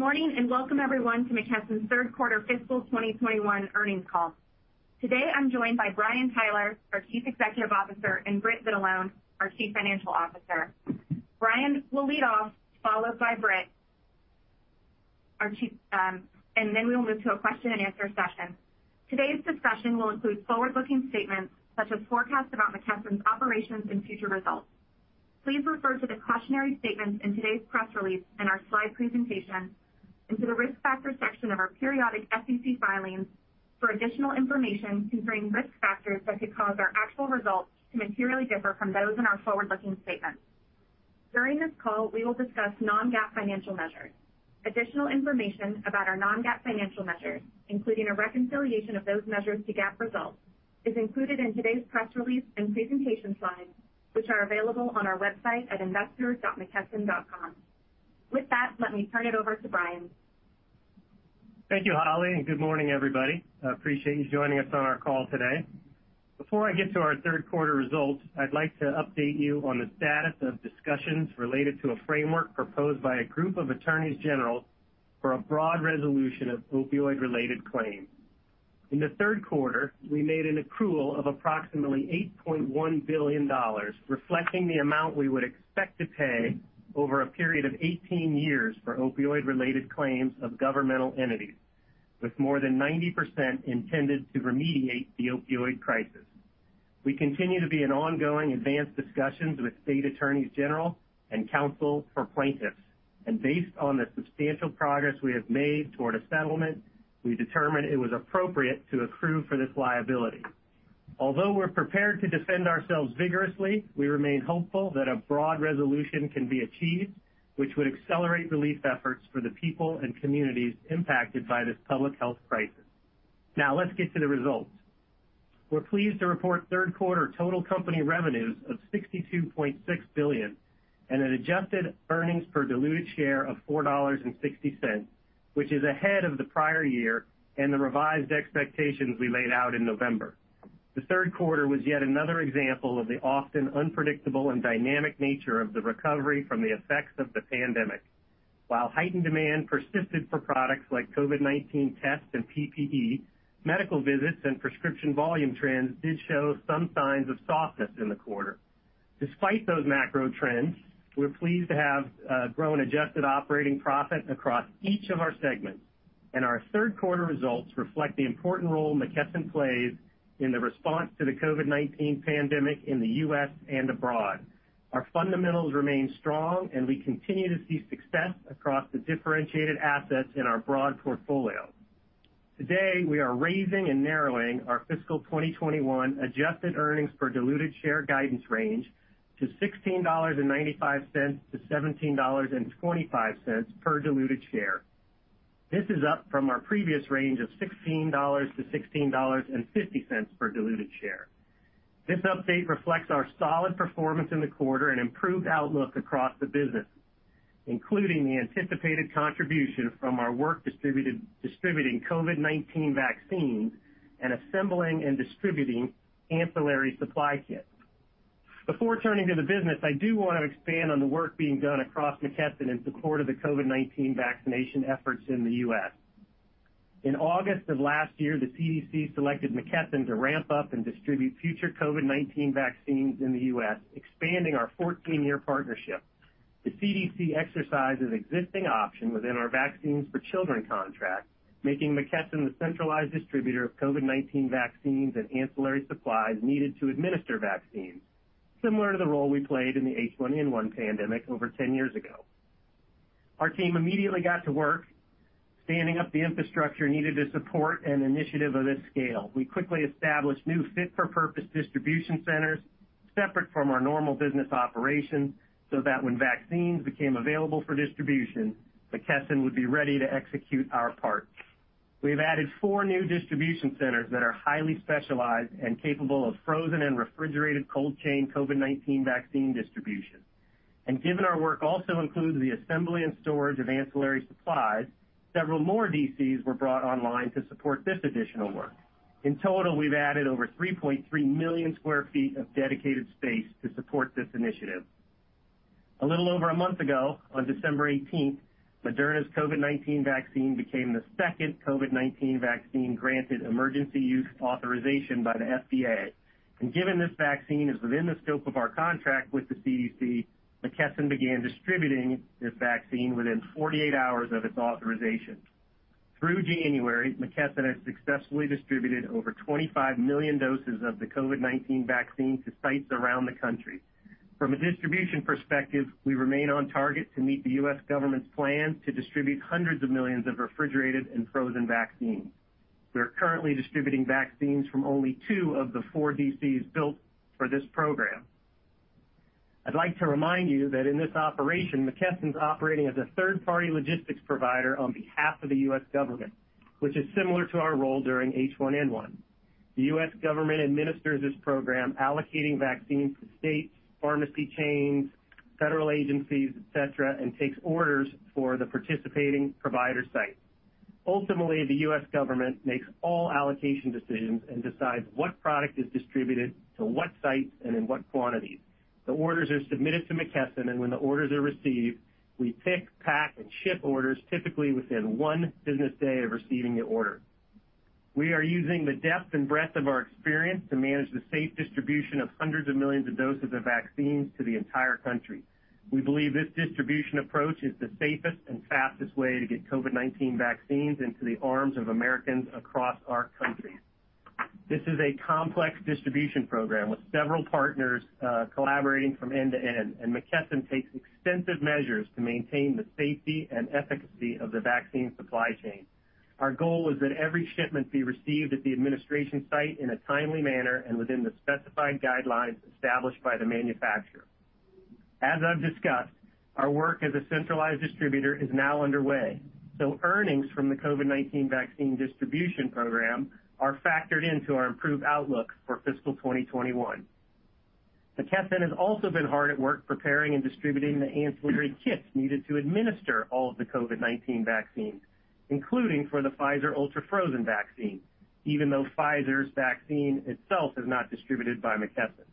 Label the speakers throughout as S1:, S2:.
S1: Good morning, and welcome everyone to McKesson's third quarter fiscal 2021 earnings call. Today, I'm joined by Brian Tyler, our Chief Executive Officer, and Britt Vitalone, our Chief Financial Officer. Brian will lead off, followed by Britt. Then we will move to a question and answer session. Today's discussion will include forward-looking statements such as forecasts about McKesson's operations and future results. Please refer to the cautionary statements in today's press release and our slide presentation, and to the Risk Factors section of our periodic SEC filings for additional information concerning risk factors that could cause our actual results to materially differ from those in our forward-looking statements. During this call, we will discuss non-GAAP financial measures. Additional information about our non-GAAP financial measures, including a reconciliation of those measures to GAAP results, is included in today's press release and presentation slides, which are available on our website at investors.mckesson.com. With that, let me turn it over to Brian.
S2: Thank you, Holly. Good morning, everybody. I appreciate you joining us on our call today. Before I get to our third quarter results, I'd like to update you on the status of discussions related to a framework proposed by a group of attorneys general for a broad resolution of opioid-related claims. In the third quarter, we made an accrual of approximately $8.1 billion, reflecting the amount we would expect to pay over a period of 18 years for opioid-related claims of governmental entities, with more than 90% intended to remediate the opioid crisis. We continue to be in ongoing advanced discussions with state attorneys general and counsel for plaintiffs. Based on the substantial progress we have made toward a settlement, we determined it was appropriate to accrue for this liability. Although we're prepared to defend ourselves vigorously, we remain hopeful that a broad resolution can be achieved, which would accelerate relief efforts for the people and communities impacted by this public health crisis. Now, let's get to the results. We're pleased to report third quarter total company revenues of $62.6 billion and an adjusted earnings per diluted share of $4.60, which is ahead of the prior year and the revised expectations we laid out in November. The third quarter was yet another example of the often unpredictable and dynamic nature of the recovery from the effects of the pandemic. While heightened demand persisted for products like COVID-19 tests and PPE, Medical visits and prescription volume trends did show some signs of softness in the quarter. Despite those macro trends, we're pleased to have grown adjusted operating profit across each of our segments. Our third quarter results reflect the important role McKesson plays in the response to the COVID-19 pandemic in the U.S. and abroad. Our fundamentals remain strong, and we continue to see success across the differentiated assets in our broad portfolio. Today, we are raising and narrowing our fiscal 2021 adjusted earnings per diluted share guidance range to $16.95-$17.25 per diluted share. This is up from our previous range of $16-$16.50 per diluted share. This update reflects our solid performance in the quarter and improved outlook across the business, including the anticipated contribution from our work distributing COVID-19 vaccines and assembling and distributing ancillary supply kits. Before turning to the business, I do want to expand on the work being done across McKesson in support of the COVID-19 vaccination efforts in the U.S. In August of last year, the CDC selected McKesson to ramp up and distribute future COVID-19 vaccines in the U.S., expanding our 14-year partnership. The CDC exercised an existing option within our Vaccines for Children contract, making McKesson the centralized distributor of COVID-19 vaccines and ancillary supplies needed to administer vaccines, similar to the role we played in the H1N1 pandemic over 10 years ago. Our team immediately got to work standing up the infrastructure needed to support an initiative of this scale. We quickly established new fit-for-purpose distribution centers separate from our normal business operations so that when vaccines became available for distribution, McKesson would be ready to execute our part. We've added four new distribution centers that are highly specialized and capable of frozen and refrigerated cold chain COVID-19 vaccine distribution. Given our work also includes the assembly and storage of ancillary supplies, several more DCs were brought online to support this additional work. In total, we've added over 3.3 million sq ft of dedicated space to support this initiative. A little over a month ago, on December 18th, Moderna's COVID-19 vaccine became the second COVID-19 vaccine granted emergency use authorization by the FDA. Given this vaccine is within the scope of our contract with the CDC, McKesson began distributing this vaccine within 48 hours of its authorization. Through January, McKesson has successfully distributed over 25 million doses of the COVID-19 vaccine to sites around the country. From a distribution perspective, we remain on target to meet the U.S. government's plan to distribute hundreds of millions of refrigerated and frozen vaccines. We are currently distributing vaccines from only two of the four DCs built for this program. I'd like to remind you that in this operation, McKesson's operating as a third-party logistics provider on behalf of the U.S. government, which is similar to our role during H1N1. The U.S. government administers this program allocating vaccines to states, pharmacy chains, federal agencies, et cetera, and takes orders for the participating provider sites. Ultimately, the U.S. government makes all allocation decisions and decides what product is distributed to what sites and in what quantities. The orders are submitted to McKesson, and when the orders are received, we pick, pack, and ship orders typically within one business day of receiving the order. We are using the depth and breadth of our experience to manage the safe distribution of hundreds of millions of doses of vaccines to the entire country. We believe this distribution approach is the safest and fastest way to get COVID-19 vaccines into the arms of Americans across our country. This is a complex distribution program with several partners collaborating from end to end, and McKesson takes extensive measures to maintain the safety and efficacy of the vaccine supply chain. Our goal is that every shipment be received at the administration site in a timely manner and within the specified guidelines established by the manufacturer. As I've discussed, our work as a centralized distributor is now underway. Earnings from the COVID-19 vaccine distribution program are factored into our improved outlook for fiscal 2021. McKesson has also been hard at work preparing and distributing the ancillary kits needed to administer all of the COVID-19 vaccines, including for the Pfizer ultra-frozen vaccine, even though Pfizer's vaccine itself is not distributed by McKesson.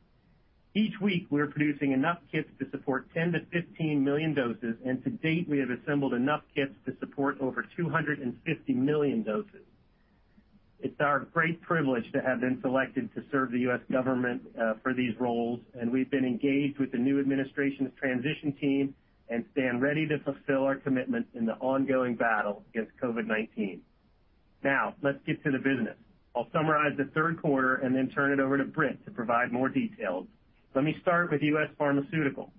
S2: Each week, we're producing enough kits to support 10 million-15 million doses, and to date, we have assembled enough kits to support over 250 million doses. It's our great privilege to have been selected to serve the U.S. government for these roles. We've been engaged with the new administration's transition team and stand ready to fulfill our commitment in the ongoing battle against COVID-19. Let's get to the business. I'll summarize the third quarter and then turn it over to Britt to provide more details. Let me start with U.S. Pharmaceutical.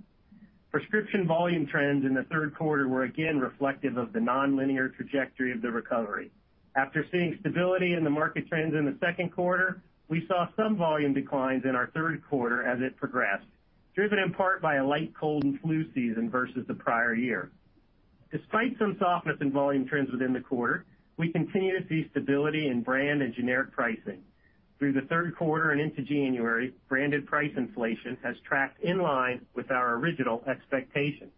S2: Prescription volume trends in the third quarter were again reflective of the nonlinear trajectory of the recovery. After seeing stability in the market trends in the second quarter, we saw some volume declines in our third quarter as it progressed, driven in part by a light cold and flu season versus the prior year. Despite some softness in volume trends within the quarter, we continue to see stability in brand and generic pricing. Through the third quarter and into January, branded price inflation has tracked in line with our original expectations.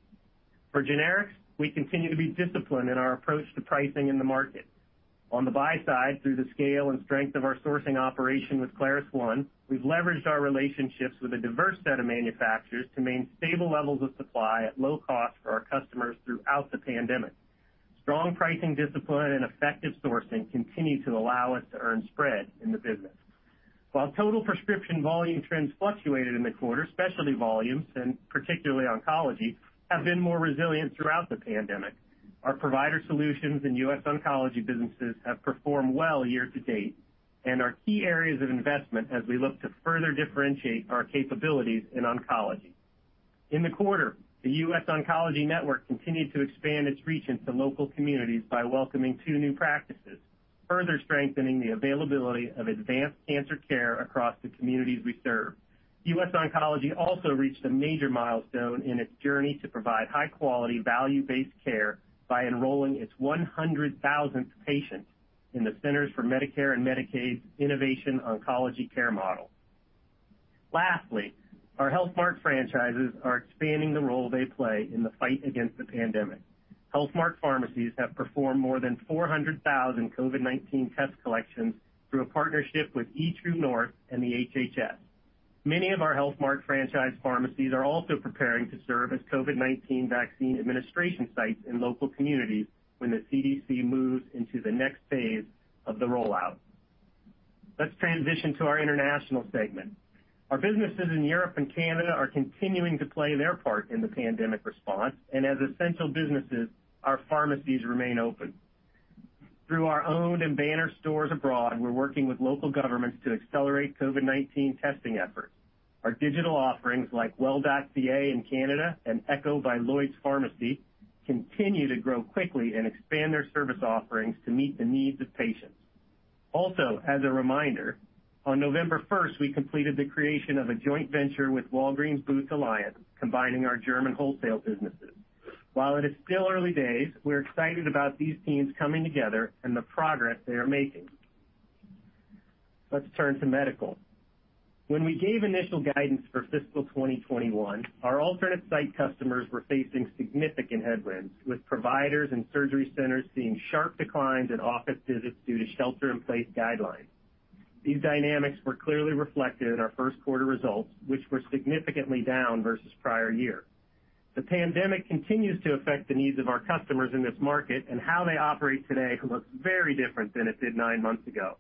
S2: For generics, we continue to be disciplined in our approach to pricing in the market. On the buy side, through the scale and strength of our sourcing operation with ClarusONE, we've leveraged our relationships with a diverse set of manufacturers to maintain stable levels of supply at low cost for our customers throughout the pandemic. Strong pricing discipline and effective sourcing continue to allow us to earn spread in the business. While total prescription volume trends fluctuated in the quarter, specialty volumes, and particularly oncology, have been more resilient throughout the pandemic. Our provider solutions and US Oncology businesses have performed well year-to-date and are key areas of investment as we look to further differentiate our capabilities in oncology. In the quarter, the US Oncology Network continued to expand its reach into local communities by welcoming two new practices, further strengthening the availability of advanced cancer care across the communities we serve. US Oncology also reached a major milestone in its journey to provide high-quality, value-based care by enrolling its 100,000th patient in the Center for Medicare and Medicaid Innovation Oncology Care Model. Our Health Mart franchises are expanding the role they play in the fight against the pandemic. Health Mart pharmacies have performed more than 400,000 COVID-19 test collections through a partnership with eTrueNorth and the HHS. Many of our Health Mart franchise pharmacies are also preparing to serve as COVID-19 vaccine administration sites in local communities when the CDC moves into the next phase of the rollout. Let's transition to our International segment. Our businesses in Europe and Canada are continuing to play their part in the pandemic response, and as essential businesses, our pharmacies remain open. Through our owned and banner stores abroad, we're working with local governments to accelerate COVID-19 testing efforts. Our digital offerings, like Well.ca in Canada and Echo by LloydsPharmacy, continue to grow quickly and expand their service offerings to meet the needs of patients. Also, as a reminder, on November 1st, we completed the creation of a joint venture with Walgreens Boots Alliance, combining our German wholesale businesses. While it is still early days, we're excited about these teams coming together and the progress they are making. Let's turn to medical. When we gave initial guidance for fiscal 2021, our alternate site customers were facing significant headwinds, with providers and surgery centers seeing sharp declines in office visits due to shelter-in-place guidelines. These dynamics were clearly reflected in our first quarter results, which were significantly down versus prior year. The pandemic continues to affect the needs of our customers in this market, and how they operate today looks very different than it did nine months ago.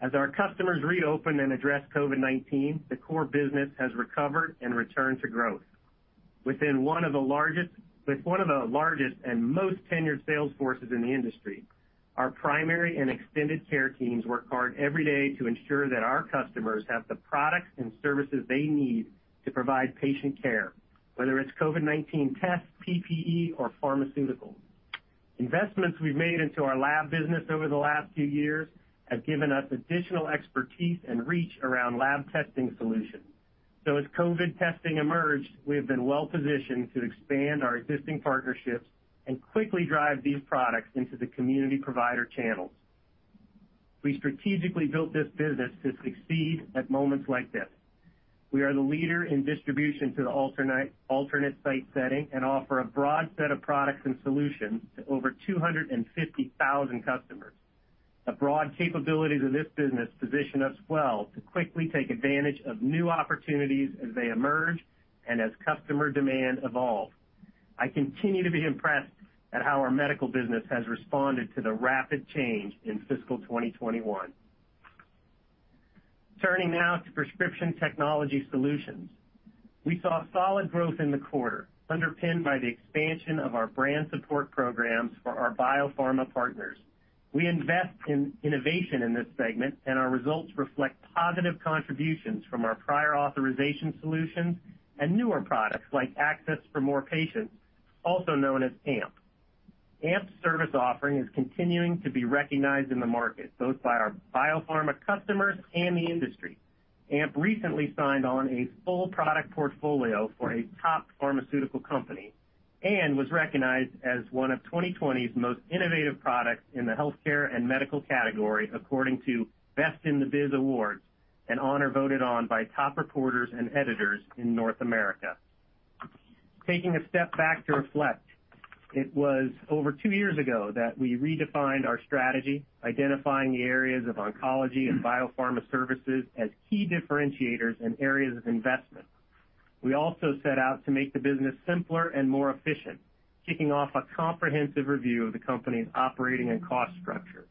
S2: As our customers reopen and address COVID-19, the core business has recovered and returned to growth. With one of the largest and most tenured sales forces in the industry, our primary and extended care teams work hard every day to ensure that our customers have the products and services they need to provide patient care, whether it's COVID-19 tests, PPE, or pharmaceuticals. Investments we've made into our lab business over the last few years have given us additional expertise and reach around lab testing solutions. As COVID-19 testing emerged, we have been well-positioned to expand our existing partnerships and quickly drive these products into the community provider channels. We strategically built this business to succeed at moments like this. We are the leader in distribution to the alternate site setting and offer a broad set of products and solutions to over 250,000 customers. The broad capabilities of this business position us well to quickly take advantage of new opportunities as they emerge and as customer demand evolves. I continue to be impressed at how our Medical business has responded to the rapid change in FY 2021. Turning now to Prescription Technology Solutions. We saw solid growth in the quarter, underpinned by the expansion of our brand support programs for our biopharma partners. We invest in innovation in this segment. Our results reflect positive contributions from our prior authorization solutions and newer products like Access for More Patients, also known as AMP. AMP's service offering is continuing to be recognized in the market, both by our biopharma customers and the industry. AMP recently signed on a full product portfolio for a top pharmaceutical company and was recognized as one of 2020's most innovative products in the healthcare and medical category, according to Best in Biz Awards, an honor voted on by top reporters and editors in North America. Taking a step back to reflect, it was over two years ago that we redefined our strategy, identifying the areas of oncology and biopharma services as key differentiators and areas of investment. We also set out to make the business simpler and more efficient, kicking off a comprehensive review of the company's operating and cost structure.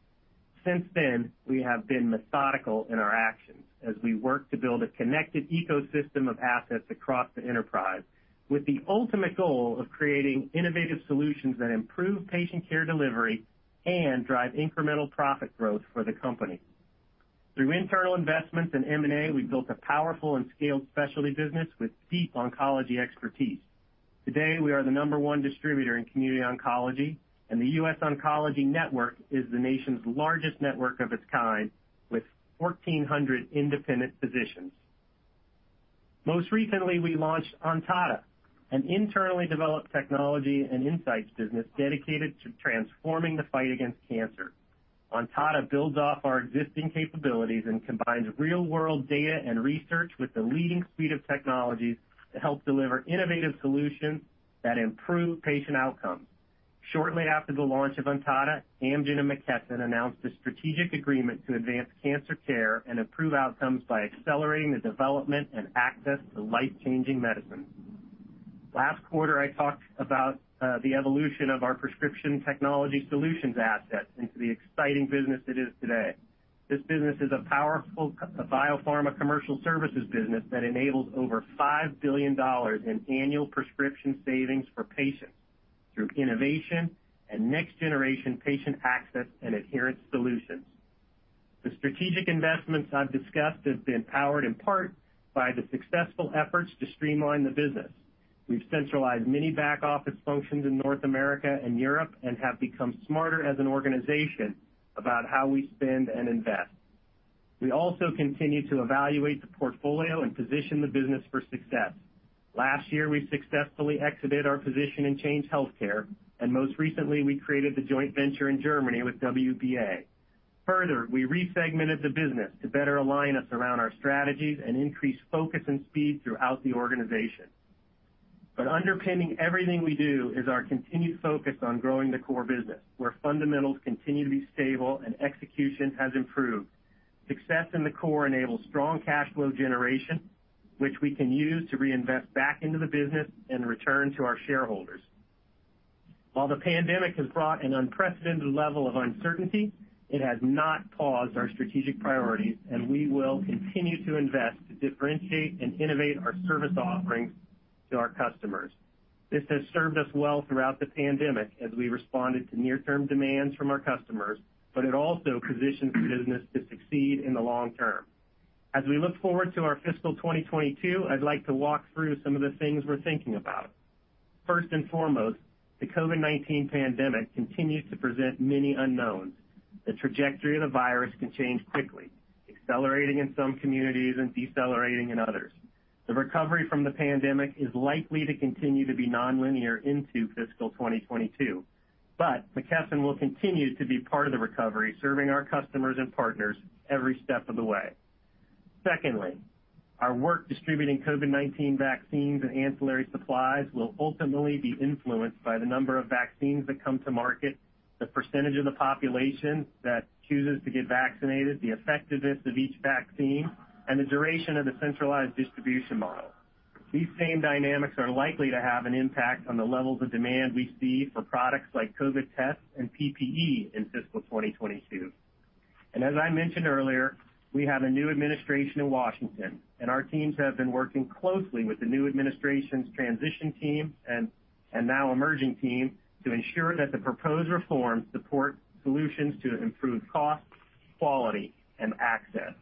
S2: Since then, we have been methodical in our actions as we work to build a connected ecosystem of assets across the enterprise, with the ultimate goal of creating innovative solutions that improve patient care delivery and drive incremental profit growth for the company. Through internal investments in M&A, we've built a powerful and scaled specialty business with deep oncology expertise. Today, we are the number one distributor in community oncology, and the US Oncology Network is the nation's largest network of its kind with 1,400 independent physicians. Most recently, we launched Ontada, an internally developed technology and insights business dedicated to transforming the fight against cancer. Ontada builds off our existing capabilities and combines real-world data and research with the leading suite of technologies to help deliver innovative solutions that improve patient outcomes. Shortly after the launch of Ontada, Amgen and McKesson announced a strategic agreement to advance cancer care and improve outcomes by accelerating the development and access to life-changing medicine. Last quarter, I talked about the evolution of our prescription technology solutions assets into the exciting business it is today. This business is a powerful biopharma commercial services business that enables over $5 billion in annual prescription savings for patients through innovation and next-generation patient access and adherence solutions. The strategic investments I've discussed have been powered in part by the successful efforts to streamline the business. We've centralized many back-office functions in North America and Europe and have become smarter as an organization about how we spend and invest. We also continue to evaluate the portfolio and position the business for success. Last year, we successfully exited our position in Change Healthcare, and most recently, we created the joint venture in Germany with WBA. We resegmented the business to better align us around our strategies and increase focus and speed throughout the organization. Underpinning everything we do is our continued focus on growing the core business, where fundamentals continue to be stable and execution has improved. Success in the core enables strong cash flow generation, which we can use to reinvest back into the business and return to our shareholders. While the pandemic has brought an unprecedented level of uncertainty, it has not paused our strategic priorities, and we will continue to invest to differentiate and innovate our service offerings to our customers. This has served us well throughout the pandemic as we responded to near-term demands from our customers, but it also positions the business to succeed in the long term. As we look forward to our fiscal 2022, I'd like to walk through some of the things we're thinking about. First and foremost, the COVID-19 pandemic continues to present many unknowns. The trajectory of the virus can change quickly, accelerating in some communities and decelerating in others. The recovery from the pandemic is likely to continue to be nonlinear into fiscal 2022, but McKesson will continue to be part of the recovery, serving our customers and partners every step of the way. Secondly, our work distributing COVID-19 vaccines and ancillary supplies will ultimately be influenced by the number of vaccines that come to market, the percentage of the population that chooses to get vaccinated, the effectiveness of each vaccine, and the duration of the centralized distribution model. These same dynamics are likely to have an impact on the levels of demand we see for products like COVID tests and PPE in fiscal 2022. As I mentioned earlier, we have a new administration in Washington, and our teams have been working closely with the new administration's transition team and now emerging team to ensure that the proposed reforms support solutions to improve cost, quality, and access.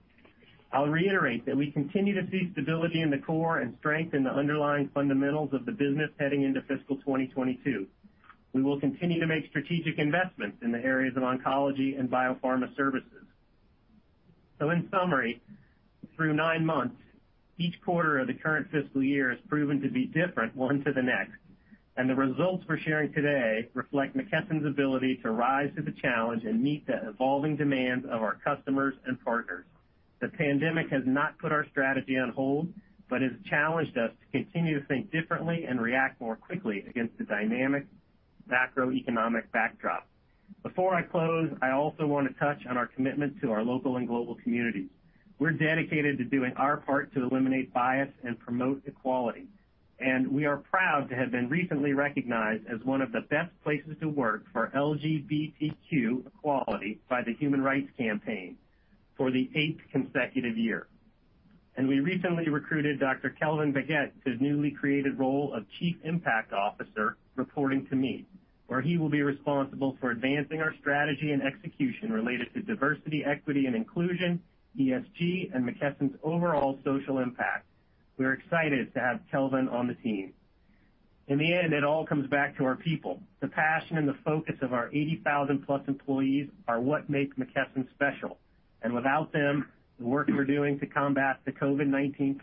S2: I'll reiterate that we continue to see stability in the core and strength in the underlying fundamentals of the business heading into fiscal 2022. We will continue to make strategic investments in the areas of oncology and biopharma services. In summary, through nine months, each quarter of the current fiscal year has proven to be different one to the next, and the results we're sharing today reflect McKesson's ability to rise to the challenge and meet the evolving demands of our customers and partners. The pandemic has not put our strategy on hold, but has challenged us to continue to think differently and react more quickly against the dynamic macroeconomic backdrop. Before I close, I also want to touch on our commitment to our local and global communities. We're dedicated to doing our part to eliminate bias and promote equality, and we are proud to have been recently recognized as one of the best places to work for LGBTQ equality by the Human Rights Campaign for the eighth consecutive year. We recently recruited Dr. Kelvin Baggett to the newly created role of Chief Impact Officer, reporting to me, where he will be responsible for advancing our strategy and execution related to diversity, equity, and inclusion, ESG, and McKesson's overall social impact. We're excited to have Kelvin on the team. In the end, it all comes back to our people. The passion and the focus of our 80,000+ employees are what make McKesson special. Without them, the work we're doing to combat the COVID-19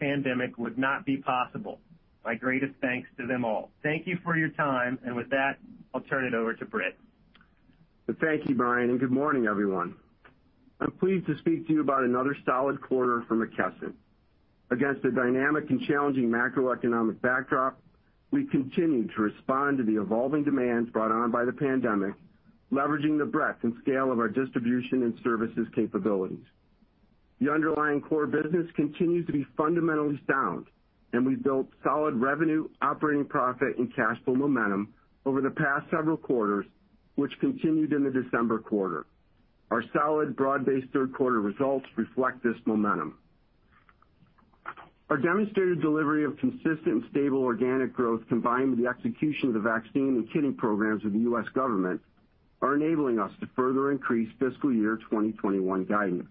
S2: pandemic would not be possible. My greatest thanks to them all. Thank you for your time. With that, I'll turn it over to Britt.
S3: Thank you, Brian, and good morning, everyone. I'm pleased to speak to you about another solid quarter for McKesson. Against a dynamic and challenging macroeconomic backdrop, we continue to respond to the evolving demands brought on by the pandemic, leveraging the breadth and scale of our distribution and services capabilities. The underlying core business continues to be fundamentally sound, we've built solid revenue, operating profit, and cash flow momentum over the past several quarters, which continued in the December quarter. Our solid, broad-based third quarter results reflect this momentum. Our demonstrated delivery of consistent and stable organic growth, combined with the execution of the vaccine and kitting programs with the U.S. government, are enabling us to further increase fiscal year 2021 guidance.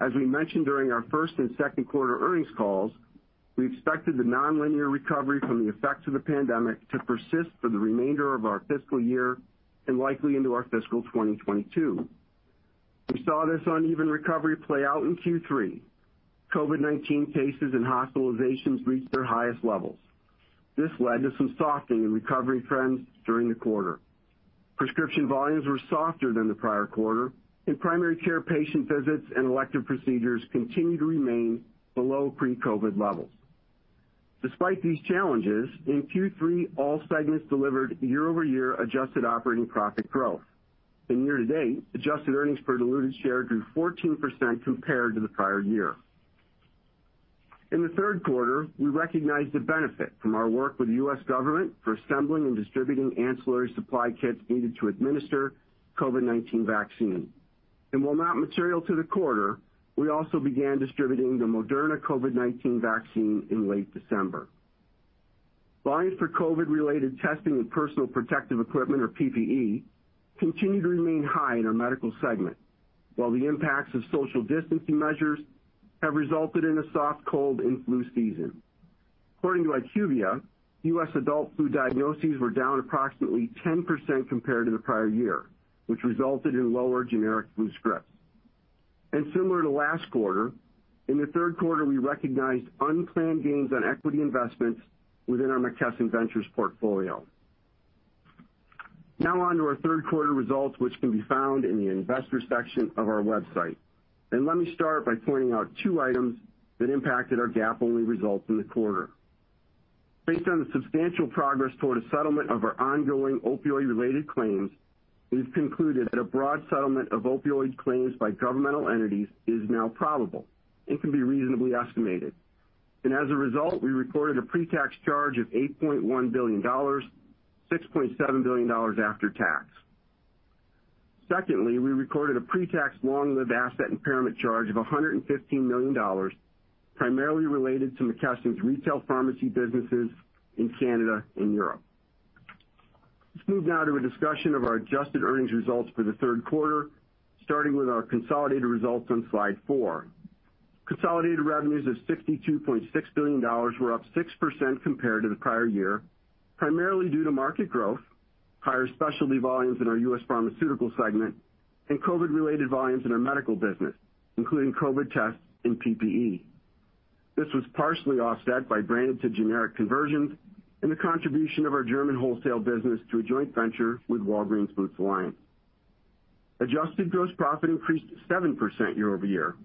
S3: As we mentioned during our first and second quarter earnings calls, we expected the nonlinear recovery from the effects of the pandemic to persist for the remainder of our fiscal year and likely into our fiscal 2022. We saw this uneven recovery play out in Q3. COVID-19 cases and hospitalizations reached their highest levels. This led to some softening in recovery trends during the quarter. Prescription volumes were softer than the prior quarter, and primary care patient visits and elective procedures continued to remain below pre-COVID levels. Despite these challenges, in Q3, all segments delivered year-over-year adjusted operating profit growth. Year-to-date, adjusted earnings per diluted share grew 14% compared to the prior year. In the third quarter, we recognized the benefit from our work with the U.S. government for assembling and distributing ancillary supply kits needed to administer COVID-19 vaccine. While not material to the quarter, we also began distributing the Moderna COVID-19 vaccine in late December. Volumes for COVID-related testing and personal protective equipment, or PPE, continued to remain high in our Medical segment, while the impacts of social distancing measures have resulted in a soft cold and flu season. According to IQVIA, U.S. adult flu diagnoses were down approximately 10% compared to the prior year, which resulted in lower generic flu scripts. Similar to last quarter, in the third quarter, we recognized unplanned gains on equity investments within our McKesson Ventures portfolio. On to our third quarter results, which can be found in the Investors section of our website. Let me start by pointing out two items that impacted our GAAP-only results in the quarter. Based on the substantial progress toward a settlement of our ongoing opioid-related claims, we've concluded that a broad settlement of opioid claims by governmental entities is now probable and can be reasonably estimated. As a result, we recorded a pre-tax charge of $8.1 billion, $6.7 billion after tax. Secondly, we recorded a pre-tax long-lived asset impairment charge of $115 million, primarily related to McKesson's retail pharmacy businesses in Canada and Europe. Let's move now to a discussion of our adjusted earnings results for the third quarter, starting with our consolidated results on slide four. Consolidated revenues of $62.6 billion were up 6% compared to the prior year, primarily due to market growth, higher specialty volumes in our U.S. Pharmaceutical segment, and COVID-related volumes in our medical business, including COVID tests and PPE. This was partially offset by branded to generic conversions and the contribution of our German wholesale business to a joint venture with Walgreens Boots Alliance. Adjusted gross profit increased 7% year-over-year,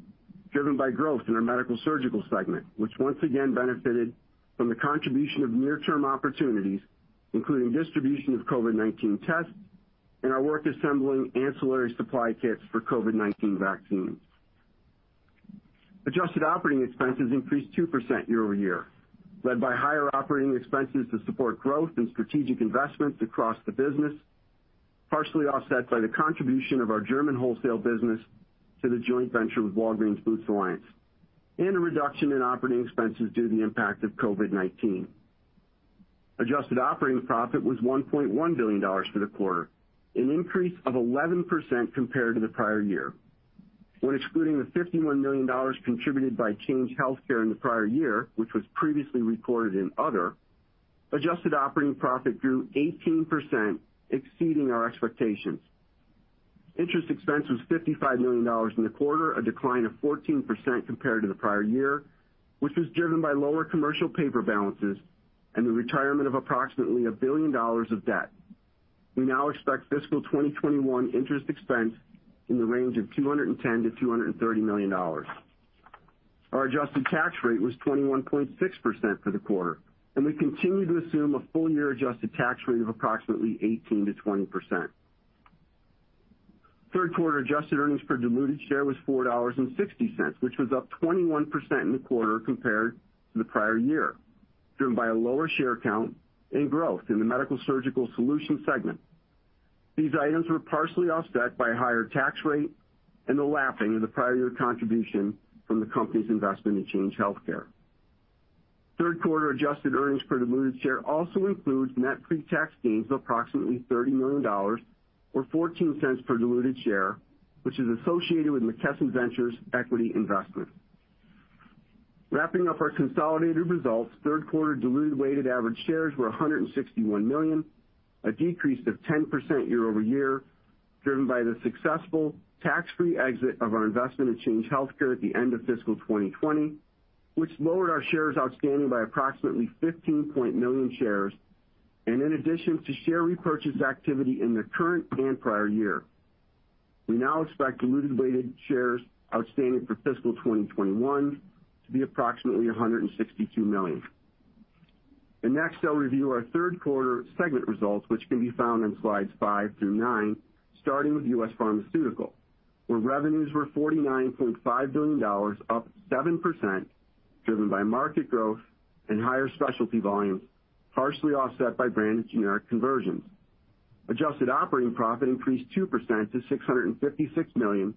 S3: driven by growth in our Medical-Surgical segment, which once again benefited from the contribution of near-term opportunities, including distribution of COVID-19 tests and our work assembling ancillary supply kits for COVID-19 vaccines. Adjusted operating expenses increased 2% year-over-year, led by higher operating expenses to support growth and strategic investments across the business, partially offset by the contribution of our German wholesale business to the joint venture with Walgreens Boots Alliance, and a reduction in operating expenses due to the impact of COVID-19. Adjusted operating profit was $1.1 billion for the quarter, an increase of 11% compared to the prior year. When excluding the $51 million contributed by Change Healthcare in the prior year, which was previously reported in Other. Adjusted operating profit grew 18%, exceeding our expectations. Interest expense was $55 million in the quarter, a decline of 14% compared to the prior year, which was driven by lower commercial paper balances and the retirement of approximately $1 billion of debt. We now expect fiscal 2021 interest expense in the range of $210 million-$230 million. Our adjusted tax rate was 21.6% for the quarter, and we continue to assume a full-year adjusted tax rate of approximately 18%-20%. Third quarter adjusted earnings per diluted share was $4.60, which was up 21% in the quarter compared to the prior year, driven by a lower share count and growth in the Medical-Surgical Solutions segment. These items were partially offset by a higher tax rate and the lapping of the prior year contribution from the company's investment in Change Healthcare. Third quarter adjusted earnings per diluted share also includes net pre-tax gains of approximately $30 million, or $0.14 per diluted share, which is associated with McKesson Ventures' equity investment. Wrapping up our consolidated results, third quarter diluted weighted average shares were 161 million, a decrease of 10% year-over-year, driven by the successful tax-free exit of our investment in Change Healthcare at the end of fiscal 2020, which lowered our shares outstanding by approximately 15.4 million shares, in addition to share repurchase activity in the current and prior year. We now expect diluted weighted shares outstanding for fiscal 2021 to be approximately 162 million. Next, I'll review our third quarter segment results, which can be found on slides five through nine, starting with U.S. Pharmaceutical, where revenues were $49.5 billion, up 7%, driven by market growth and higher specialty volumes, partially offset by branded generic conversions. Adjusted operating profit increased 2% to $656 million,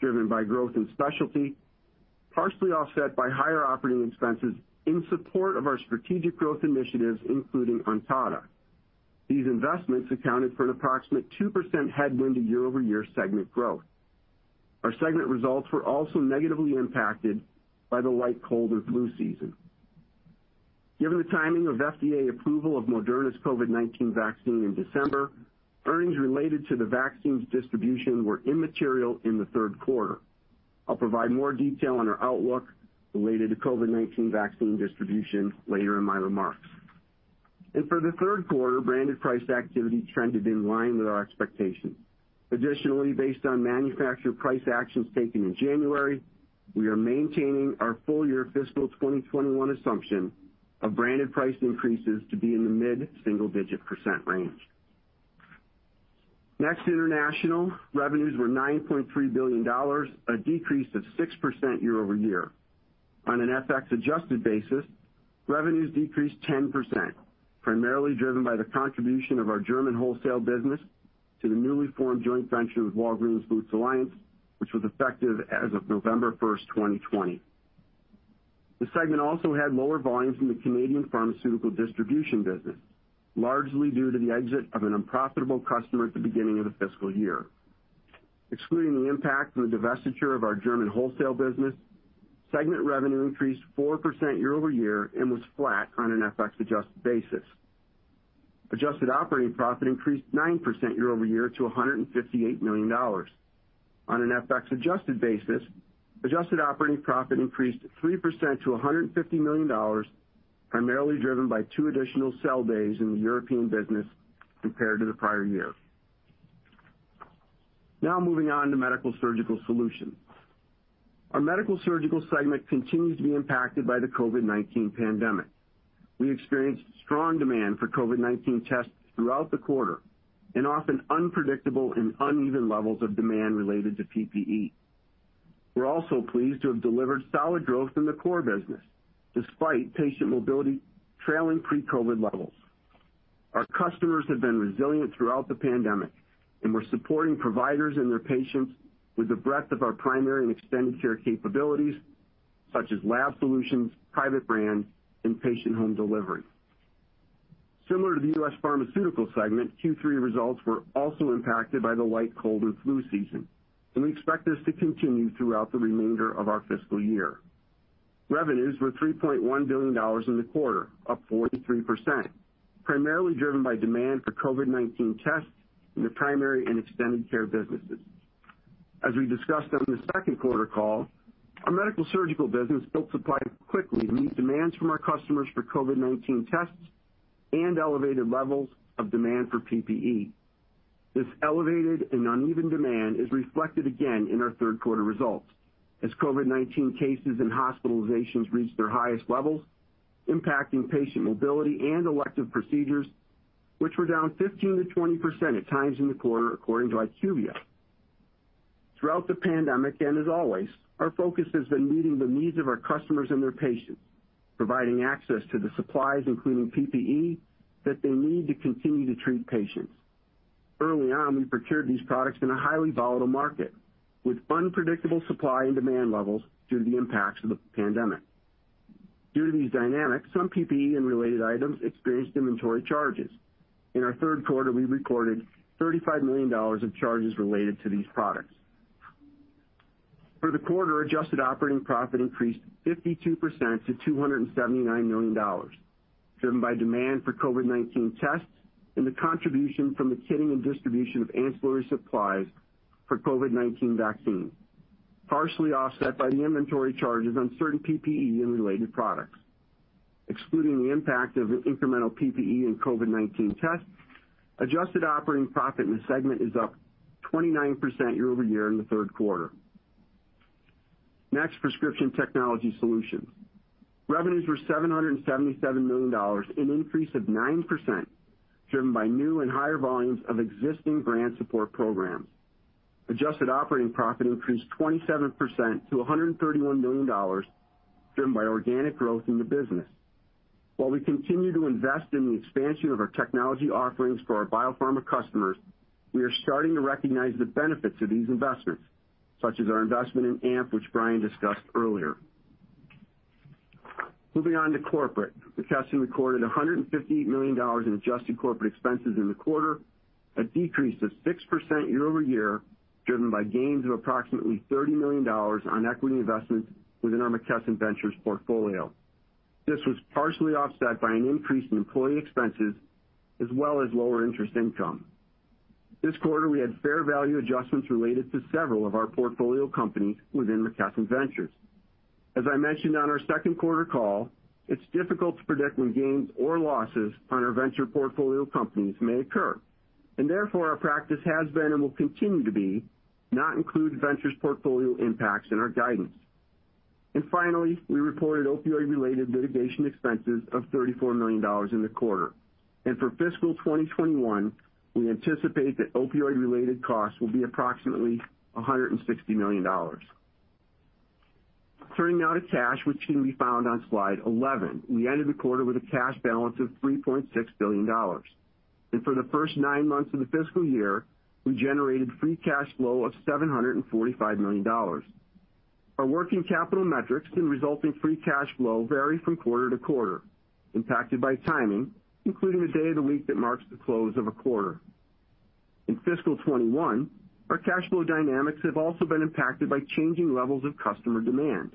S3: driven by growth in specialty, partially offset by higher operating expenses in support of our strategic growth initiatives, including Ontada. These investments accounted for an approximate 2% headwind to year-over-year segment growth. Our segment results were also negatively impacted by the light cold or flu season. Given the timing of FDA approval of Moderna's COVID-19 vaccine in December, earnings related to the vaccine's distribution were immaterial in the third quarter. I'll provide more detail on our outlook related to COVID-19 vaccine distribution later in my remarks. For the 3rd quarter, branded price activity trended in line with our expectations. Additionally, based on manufacturer price actions taken in January, we are maintaining our full-year FY 2021 assumption of branded price increases to be in the mid-single digit percent range. Next, International. Revenues were $9.3 billion, a decrease of 6% year-over-year. On an FX adjusted basis, revenues decreased 10%, primarily driven by the contribution of our German wholesale business to the newly formed joint venture with Walgreens Boots Alliance, which was effective as of November 1st, 2020. The segment also had lower volumes in the Canadian pharmaceutical distribution business, largely due to the exit of an unprofitable customer at the beginning of the fiscal year. Excluding the impact from the divestiture of our German wholesale business, segment revenue increased 4% year-over-year and was flat on an FX adjusted basis. Adjusted operating profit increased 9% year-over-year to $158 million. On an FX adjusted basis, adjusted operating profit increased 3% to $150 million, primarily driven by two additional sell days in the European business compared to the prior year. Moving on to Medical-Surgical Solutions. Our Medical-Surgical segment continues to be impacted by the COVID-19 pandemic. We experienced strong demand for COVID-19 tests throughout the quarter, often unpredictable and uneven levels of demand related to PPE. We're also pleased to have delivered solid growth in the core business, despite patient mobility trailing pre-COVID levels. Our customers have been resilient throughout the pandemic, we're supporting providers and their patients with the breadth of our primary and extended care capabilities, such as lab solutions, private brand, and patient home delivery. Similar to the U.S. Pharmaceutical segment, Q3 results were also impacted by the light cold or flu season. We expect this to continue throughout the remainder of our fiscal year. Revenues were $3.1 billion in the quarter, up 43%, primarily driven by demand for COVID-19 tests in the primary and extended care businesses. As we discussed on the second quarter call, our Medical-Surgical business built supply quickly to meet demands from our customers for COVID-19 tests and elevated levels of demand for PPE. This elevated and uneven demand is reflected again in our third quarter results, as COVID-19 cases and hospitalizations reached their highest levels, impacting patient mobility and elective procedures, which were down 15%-20% at times in the quarter, according to IQVIA. Throughout the pandemic, and as always, our focus has been meeting the needs of our customers and their patients, providing access to the supplies, including PPE, that they need to continue to treat patients. Early on, we procured these products in a highly volatile market with unpredictable supply and demand levels due to the impacts of the pandemic. Due to these dynamics, some PPE and related items experienced inventory charges. In our third quarter, we recorded $35 million of charges related to these products. For the quarter, adjusted operating profit increased 52% to $279 million, driven by demand for COVID-19 tests and the contribution from the kitting and distribution of ancillary supplies for COVID-19 vaccine, partially offset by the inventory charges on certain PPE and related products. Excluding the impact of incremental PPE and COVID-19 tests, adjusted operating profit in the segment is up 29% year-over-year in the third quarter. Next, prescription technology solutions. Revenues were $777 million, an increase of 9%, driven by new and higher volumes of existing grant support programs. Adjusted operating profit increased 27% to $131 million, driven by organic growth in the business. While we continue to invest in the expansion of our technology offerings for our biopharma customers, we are starting to recognize the benefits of these investments, such as our investment in AMP, which Brian discussed earlier. Moving on to corporate. McKesson recorded $158 million in adjusted corporate expenses in the quarter, a decrease of 6% year-over-year, driven by gains of approximately $30 million on equity investments within our McKesson Ventures portfolio. This was partially offset by an increase in employee expenses as well as lower interest income. This quarter, we had fair value adjustments related to several of our portfolio companies within McKesson Ventures. As I mentioned on our second quarter call, it's difficult to predict when gains or losses on our venture portfolio companies may occur. Therefore, our practice has been and will continue to be, not include ventures portfolio impacts in our guidance. Finally, we reported opioid-related litigation expenses of $34 million in the quarter. For fiscal 2021, we anticipate that opioid-related costs will be approximately $160 million. Turning now to cash, which can be found on slide 11. We ended the quarter with a cash balance of $3.6 billion. For the first nine months of the fiscal year, we generated free cash flow of $745 million. Our working capital metrics and resulting free cash flow vary from quarter to quarter, impacted by timing, including the day of the week that marks the close of a quarter. In fiscal 2021, our cash flow dynamics have also been impacted by changing levels of customer demand.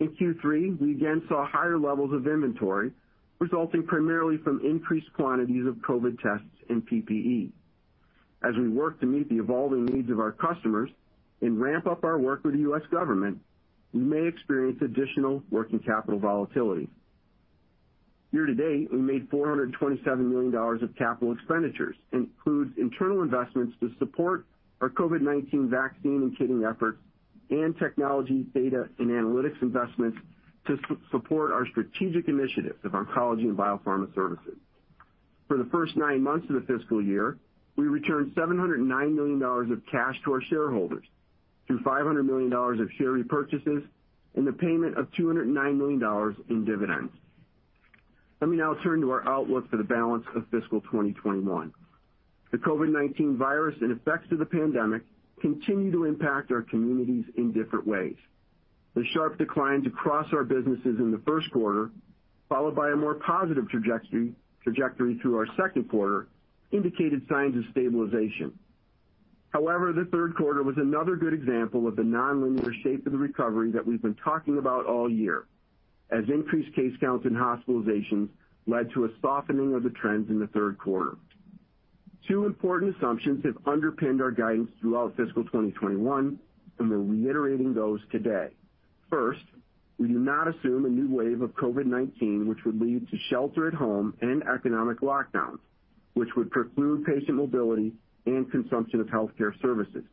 S3: In Q3, we again saw higher levels of inventory, resulting primarily from increased quantities of COVID-19 tests and PPE. As we work to meet the evolving needs of our customers and ramp up our work with the U.S. government, we may experience additional working capital volatility. Year to date, we made $427 million of capital expenditures, includes internal investments to support our COVID-19 vaccine and kitting efforts and technology, data, and analytics investments to support our strategic initiatives of oncology and biopharma services. For the first nine months of the fiscal year, we returned $709 million of cash to our shareholders through $500 million of share repurchases and the payment of $209 million in dividends. Let me now turn to our outlook for the balance of fiscal 2021. The COVID-19 virus and effects of the pandemic continue to impact our communities in different ways. The sharp declines across our businesses in the first quarter, followed by a more positive trajectory through our second quarter, indicated signs of stabilization. However, the third quarter was another good example of the nonlinear shape of the recovery that we've been talking about all year, as increased case counts and hospitalizations led to a softening of the trends in the third quarter. Two important assumptions have underpinned our guidance throughout fiscal 2021, and we're reiterating those today. First, we do not assume a new wave of COVID-19 which would lead to shelter at home and economic lockdowns, which would preclude patient mobility and consumption of healthcare services.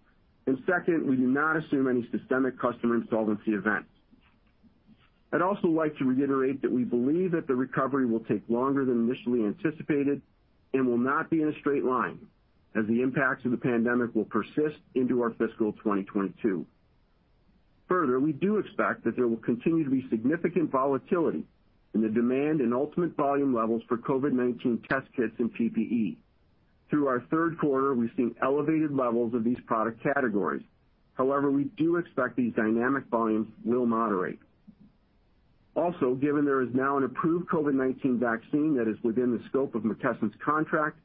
S3: Second, we do not assume any systemic customer insolvency events. I'd also like to reiterate that we believe that the recovery will take longer than initially anticipated and will not be in a straight line, as the impacts of the pandemic will persist into our fiscal 2022. We do expect that there will continue to be significant volatility in the demand and ultimate volume levels for COVID-19 test kits and PPE. Through our third quarter, we've seen elevated levels of these product categories. However, we do expect these dynamic volumes will moderate. Given there is now an approved COVID-19 vaccine that is within the scope of McKesson's contract,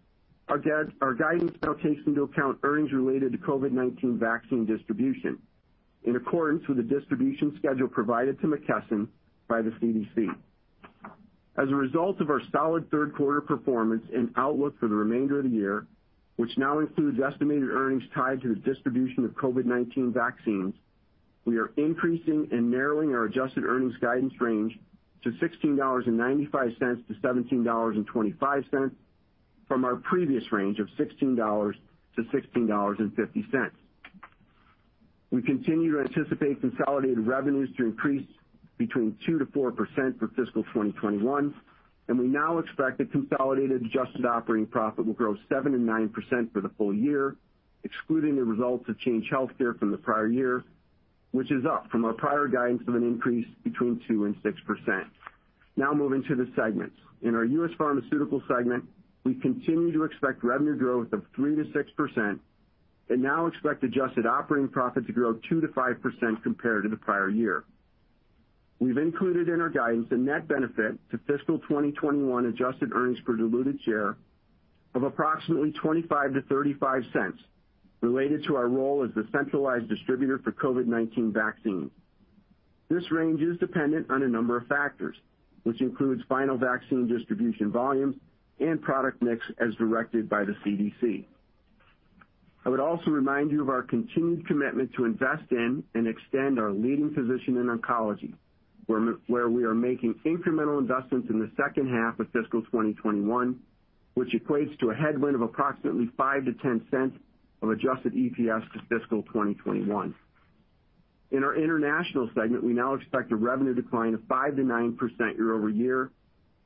S3: our guidance now takes into account earnings related to COVID-19 vaccine distribution in accordance with the distribution schedule provided to McKesson by the CDC. As a result of our solid third quarter performance and outlook for the remainder of the year, which now includes estimated earnings tied to the distribution of COVID-19 vaccines, we are increasing and narrowing our adjusted earnings guidance range to $16.95-$17.25 from our previous range of $16-$16.50. We continue to anticipate consolidated revenues to increase between 2%-4% for fiscal 2021, and we now expect that consolidated adjusted operating profit will grow 7%-9% for the full year, excluding the results of Change Healthcare from the prior year, which is up from our prior guidance of an increase between 2% and 6%. Moving to the segments. In our U.S. Pharmaceutical segment, we continue to expect revenue growth of 3%-6% and now expect adjusted operating profit to grow 2%-5% compared to the prior-year. We've included in our guidance a net benefit to FY 2021 adjusted earnings per diluted share of approximately $0.25-$0.35 related to our role as the centralized distributor for COVID-19 vaccine. This range is dependent on a number of factors, which includes final vaccine distribution volumes and product mix as directed by the CDC. I would also remind you of our continued commitment to invest in and extend our leading position in oncology, where we are making incremental investments in the second half of FY 2021, which equates to a headwind of approximately $0.05-$0.10 of adjusted EPS to FY 2021. In our international segment, we now expect a revenue decline of 5%-9% year-over-year,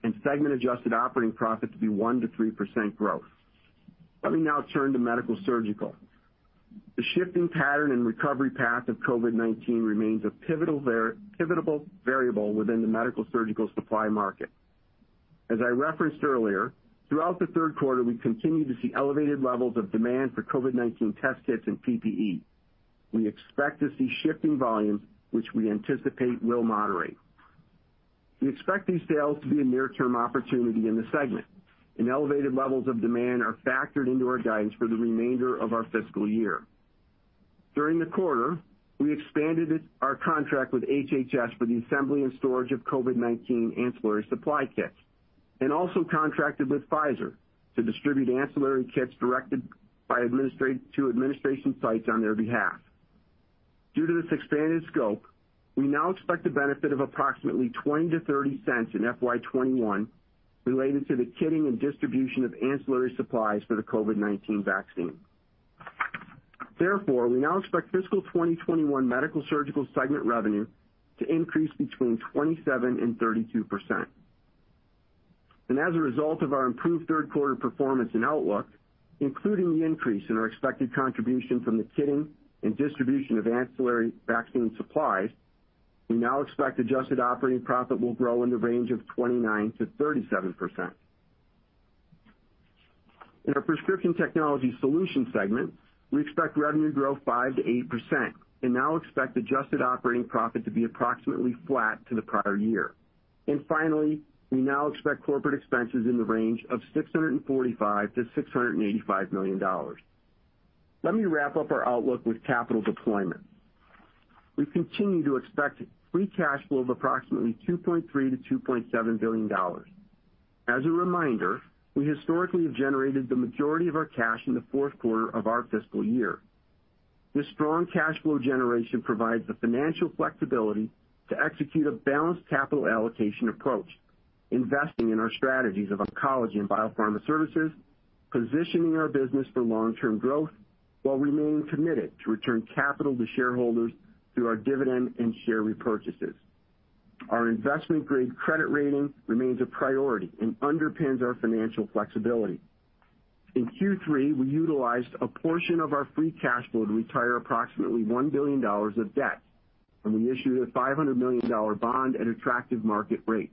S3: and segment adjusted operating profit to be 1%-3% growth. Let me now turn to Medical-Surgical. The shifting pattern and recovery path of COVID-19 remains a pivotal variable within the Medical-Surgical supply market. As I referenced earlier, throughout the third quarter, we continued to see elevated levels of demand for COVID-19 test kits and PPE. We expect to see shifting volumes, which we anticipate will moderate. We expect these sales to be a near-term opportunity in the segment, elevated levels of demand are factored into our guidance for the remainder of our fiscal year. During the quarter, we expanded our contract with HHS for the assembly and storage of COVID-19 ancillary supply kits, and also contracted with Pfizer to distribute ancillary kits directed to administration sites on their behalf. Due to this expanded scope, we now expect a benefit of approximately $0.20-$0.30 in FY 2021 related to the kitting and distribution of ancillary supplies for the COVID-19 vaccine. Therefore, we now expect fiscal 2021 Medical-Surgical Solutions segment revenue to increase between 27% and 32%. As a result of our improved third quarter performance and outlook, including the increase in our expected contribution from the kitting and distribution of ancillary vaccine supplies, we now expect adjusted operating profit will grow in the range of 29%-37%. In our Prescription Technology Solutions segment, we expect revenue to grow 5%-8% and now expect adjusted operating profit to be approximately flat to the prior year. Finally, we now expect corporate expenses in the range of $645 million-$685 million. Let me wrap up our outlook with capital deployment. We continue to expect free cash flow of approximately $2.3 billion-$2.7 billion. As a reminder, we historically have generated the majority of our cash in the fourth quarter of our fiscal year. This strong cash flow generation provides the financial flexibility to execute a balanced capital allocation approach, investing in our strategies of oncology and biopharma services, positioning our business for long-term growth while remaining committed to return capital to shareholders through our dividend and share repurchases. Our investment-grade credit rating remains a priority and underpins our financial flexibility. In Q3, we utilized a portion of our free cash flow to retire approximately $1 billion of debt, and we issued a $500 million bond at attractive market rates.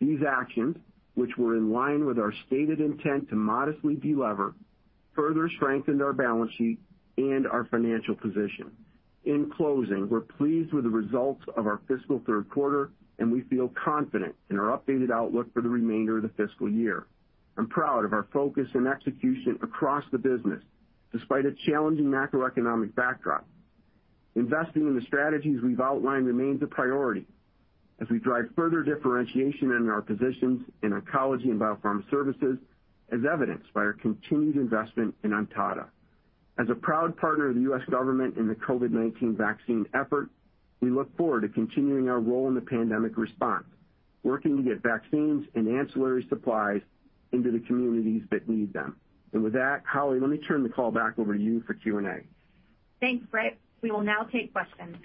S3: These actions, which were in line with our stated intent to modestly de-lever, further strengthened our balance sheet and our financial position. In closing, we're pleased with the results of our fiscal third quarter, and we feel confident in our updated outlook for the remainder of the fiscal year. I'm proud of our focus and execution across the business, despite a challenging macroeconomic backdrop. Investing in the strategies we've outlined remains a priority as we drive further differentiation in our positions in oncology and biopharma services, as evidenced by our continued investment in Ontada. As a proud partner of the U.S. government in the COVID-19 vaccine effort, we look forward to continuing our role in the pandemic response, working to get vaccines and ancillary supplies into the communities that need them. With that, Holly, let me turn the call back over to you for Q&A.
S1: Thanks, Britt. We will now take questions.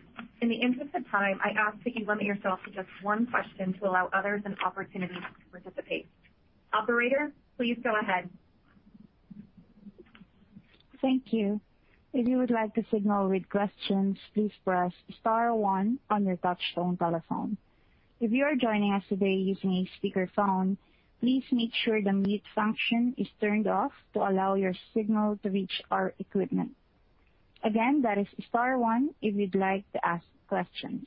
S1: In the interest of time, I ask that you limit yourself to just one question to allow others an opportunity to participate. Operator, please go ahead.
S4: Thank you. If you would like to signal with questions, please press star one on your touchtone telephone. If you are joining us today using a speakerphone, please make sure the mute function is turned off to allow your signal to reach our equipment. Again, that is star one if you'd like to ask questions.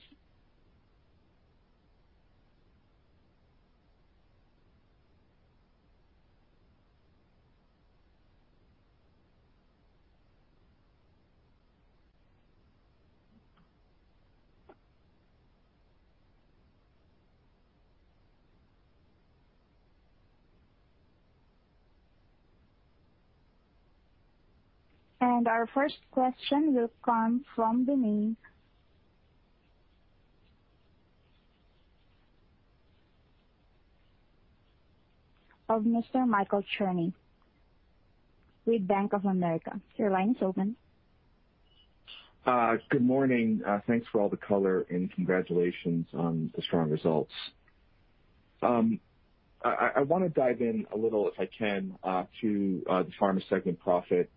S4: Our first question will come from the line of Mr. Michael Cherny with Bank of America. Your line is open.
S5: Good morning. Thanks for all the color, and congratulations on the strong results. I want to dive in a little, if I can, to the pharma segment profit.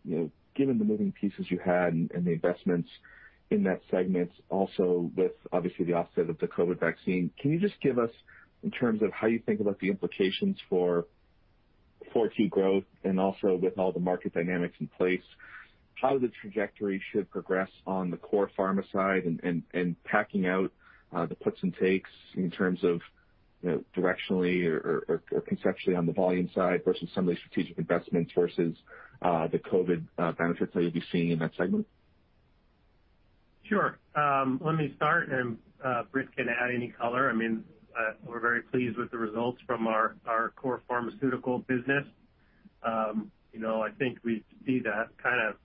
S5: Given the moving pieces you had and the investments in that segment, also with obviously the offset of the COVID vaccine, can you just give us in terms of how you think about the implications for 4Q growth and also with all the market dynamics in place, how the trajectory should progress on the core pharma side and packing out the puts and takes in terms of directionally or conceptually on the volume side versus some of the strategic investments versus the COVID benefits that you'll be seeing in that segment?
S2: Sure. Let me start and Britt can add any color. We're very pleased with the results from our core pharmaceutical business. I think we see that kind of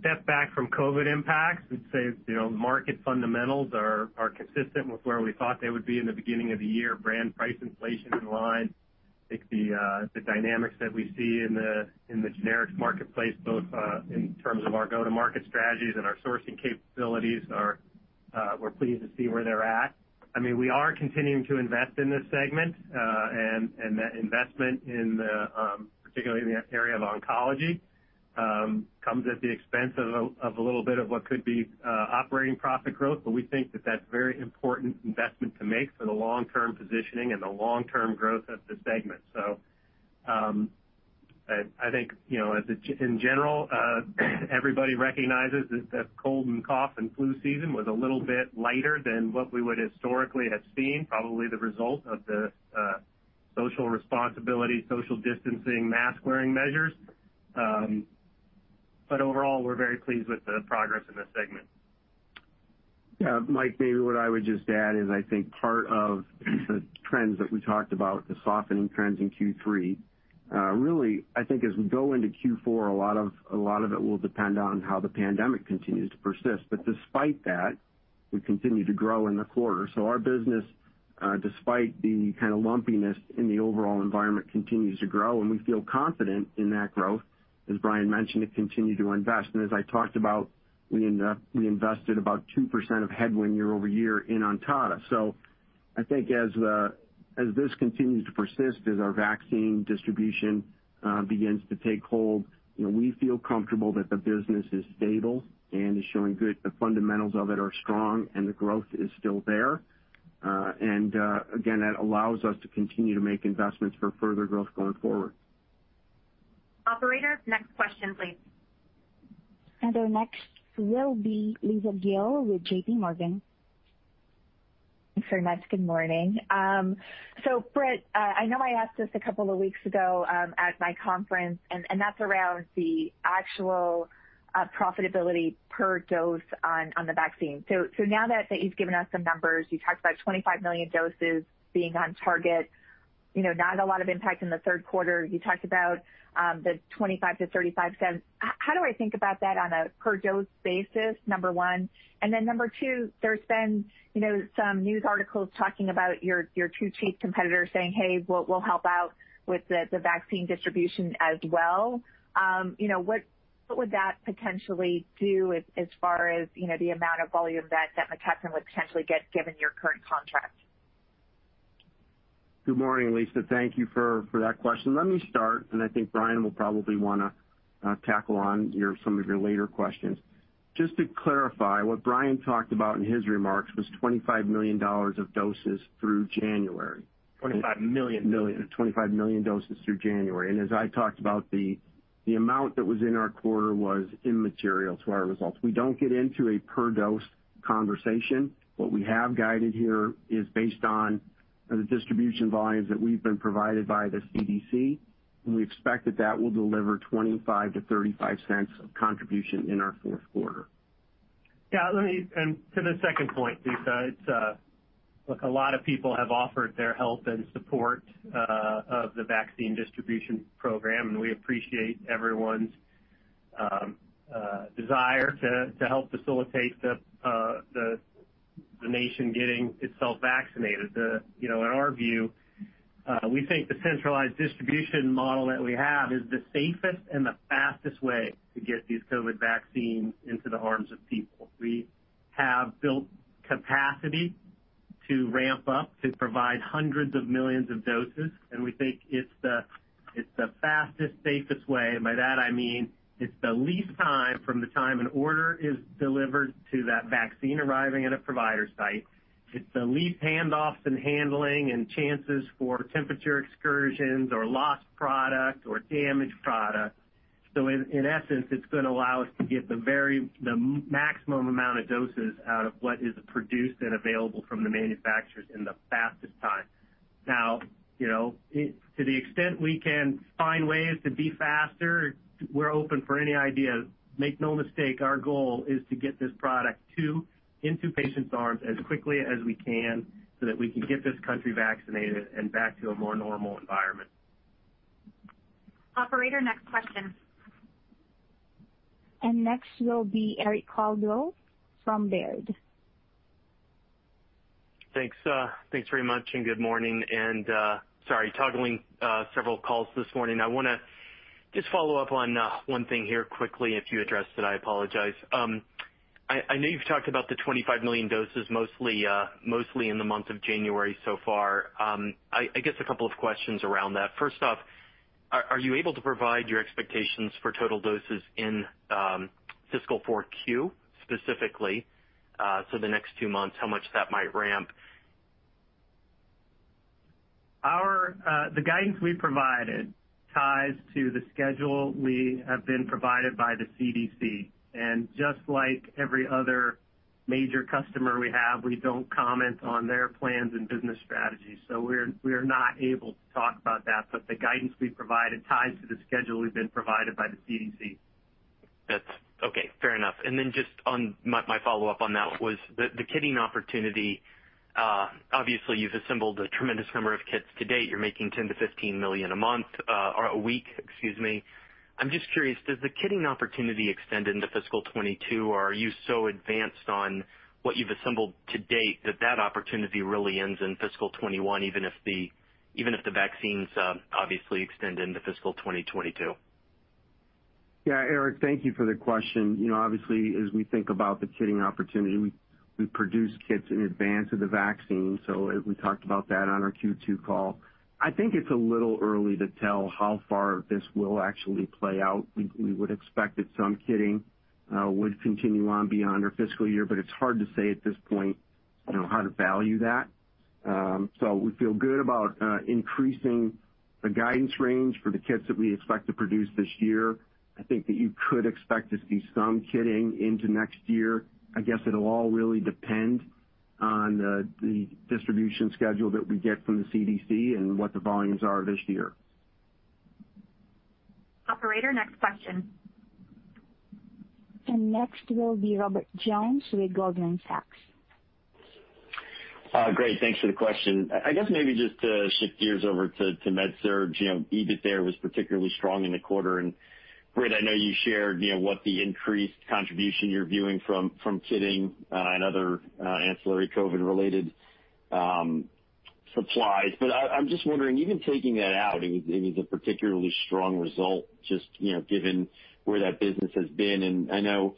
S2: step back from COVID-19 impacts. We'd say, the market fundamentals are consistent with where we thought they would be in the beginning of the year. Brand price inflation in line. I think the dynamics that we see in the generics marketplace, both in terms of our go-to-market strategies and our sourcing capabilities, we're pleased to see where they're at. We are continuing to invest in this segment. That investment in the, particularly in the area of oncology, comes at the expense of a little bit of what could be operating profit growth. We think that that's a very important investment to make for the long-term positioning and the long-term growth of the segment. I think, in general everybody recognizes that the cold and cough and flu season was a little bit lighter than what we would historically have seen, probably the result of the social responsibility, social distancing, mask-wearing measures. Overall, we're very pleased with the progress in the segment.
S3: Mike, maybe what I would just add is I think part of the trends that we talked about, the softening trends in Q3, really, I think as we go into Q4, a lot of it will depend on how the pandemic continues to persist. Despite that, we continue to grow in the quarter. Our business, despite the kind of lumpiness in the overall environment, continues to grow, and we feel confident in that growth. As Brian mentioned, to continue to invest. As I talked about, we invested about 2% of headwind year-over-year in Ontada. I think as this continues to persist, as our vaccine distribution begins to take hold, we feel comfortable that the business is stable and is showing. The fundamentals of it are strong and the growth is still there. Again, that allows us to continue to make investments for further growth going forward.
S1: Operator, next question please.
S4: Our next will be Lisa Gill with JPMorgan.
S6: Thanks very much. Good morning. Britt, I know I asked this a couple of weeks ago at my conference, and that's around the actual profitability per dose on the vaccine. Now that you've given us some numbers, you talked about 25 million doses being on target, not a lot of impact in the third quarter. You talked about the $0.25-$0.35. How do I think about that on a per-dose basis, number one? Then number two, there's been some news articles talking about your two chief competitors saying, "Hey, we'll help out with the vaccine distribution as well." What would that potentially do as far as the amount of volume that McKesson would potentially get given your current contracts?
S3: Good morning, Lisa. Thank you for that question. Let me start, and I think Brian will probably want to tackle on some of your later questions. Just to clarify, what Brian talked about in his remarks was $25 million of doses through January.
S2: 25 million.
S3: Million. 25 million doses through January. As I talked about, the amount that was in our quarter was immaterial to our results. We don't get into a per-dose conversation. What we have guided here is based on the distribution volumes that we've been provided by the CDC, and we expect that that will deliver $0.25-$0.35 of contribution in our fourth quarter.
S2: To the second point, Lisa, look, a lot of people have offered their help and support of the vaccine distribution program, and we appreciate everyone's desire to help facilitate the nation getting itself vaccinated. In our view, we think the centralized distribution model that we have is the safest and the fastest way to get these COVID vaccines into the arms of people. We have built capacity to ramp up to provide hundreds of millions of doses, and we think it's the fastest, safest way. By that I mean it's the least time from the time an order is delivered to that vaccine arriving at a provider site. It's the least handoffs and handling and chances for temperature excursions or lost product or damaged product. In essence, it's going to allow us to get the maximum amount of doses out of what is produced and available from the manufacturers in the fastest time. To the extent we can find ways to be faster, we're open for any idea. Make no mistake, our goal is to get this product into patients' arms as quickly as we can so that we can get this country vaccinated and back to a more normal environment.
S1: Operator, next question.
S4: Next will be Eric Coldwell from Baird.
S7: Thanks very much. Good morning. Sorry, toggling several calls this morning. I want to just follow up on one thing here quickly. If you addressed it, I apologize. I know you've talked about the 25 million doses mostly in the month of January so far. I guess a couple of questions around that. First off, are you able to provide your expectations for total doses in fiscal 4Q specifically, the next two months, and how much that might ramp?
S2: The guidance we provided ties to the schedule we have been provided by the CDC. Just like every other major customer we have, we don't comment on their plans and business strategies. We're not able to talk about that. The guidance we provided ties to the schedule we've been provided by the CDC.
S7: That's okay. Fair enough. Just my follow-up on that was the kitting opportunity. Obviously, you've assembled a tremendous number of kits to date. You're making 10 to 15 million a month, or a week, excuse me. I'm just curious, does the kitting opportunity extend into fiscal 2022, or are you so advanced on what you've assembled to date that that opportunity really ends in fiscal 2021, even if the vaccines obviously extend into fiscal 2022?
S3: Eric, thank you for the question. Obviously, as we think about the kitting opportunity, we produce kits in advance of the vaccine. We talked about that on our Q2 call. I think it's a little early to tell how far this will actually play out. We would expect that some kitting would continue on beyond our fiscal year, but it's hard to say at this point how to value that. We feel good about increasing the guidance range for the kits that we expect to produce this year. I think that you could expect to see some kitting into next year. I guess it'll all really depend on the distribution schedule that we get from the CDC and what the volumes are this year.
S1: Operator, next question.
S4: Next will be Robert Jones with Goldman Sachs.
S8: Great. Thanks for the question. I guess maybe just to shift gears over to MedSurg. EBIT there was particularly strong in the quarter, and Britt, I know you shared what the increased contribution you're viewing from kitting and other ancillary COVID-related supplies, but I'm just wondering, even taking that out, it was a particularly strong result, just given where that business has been, and I know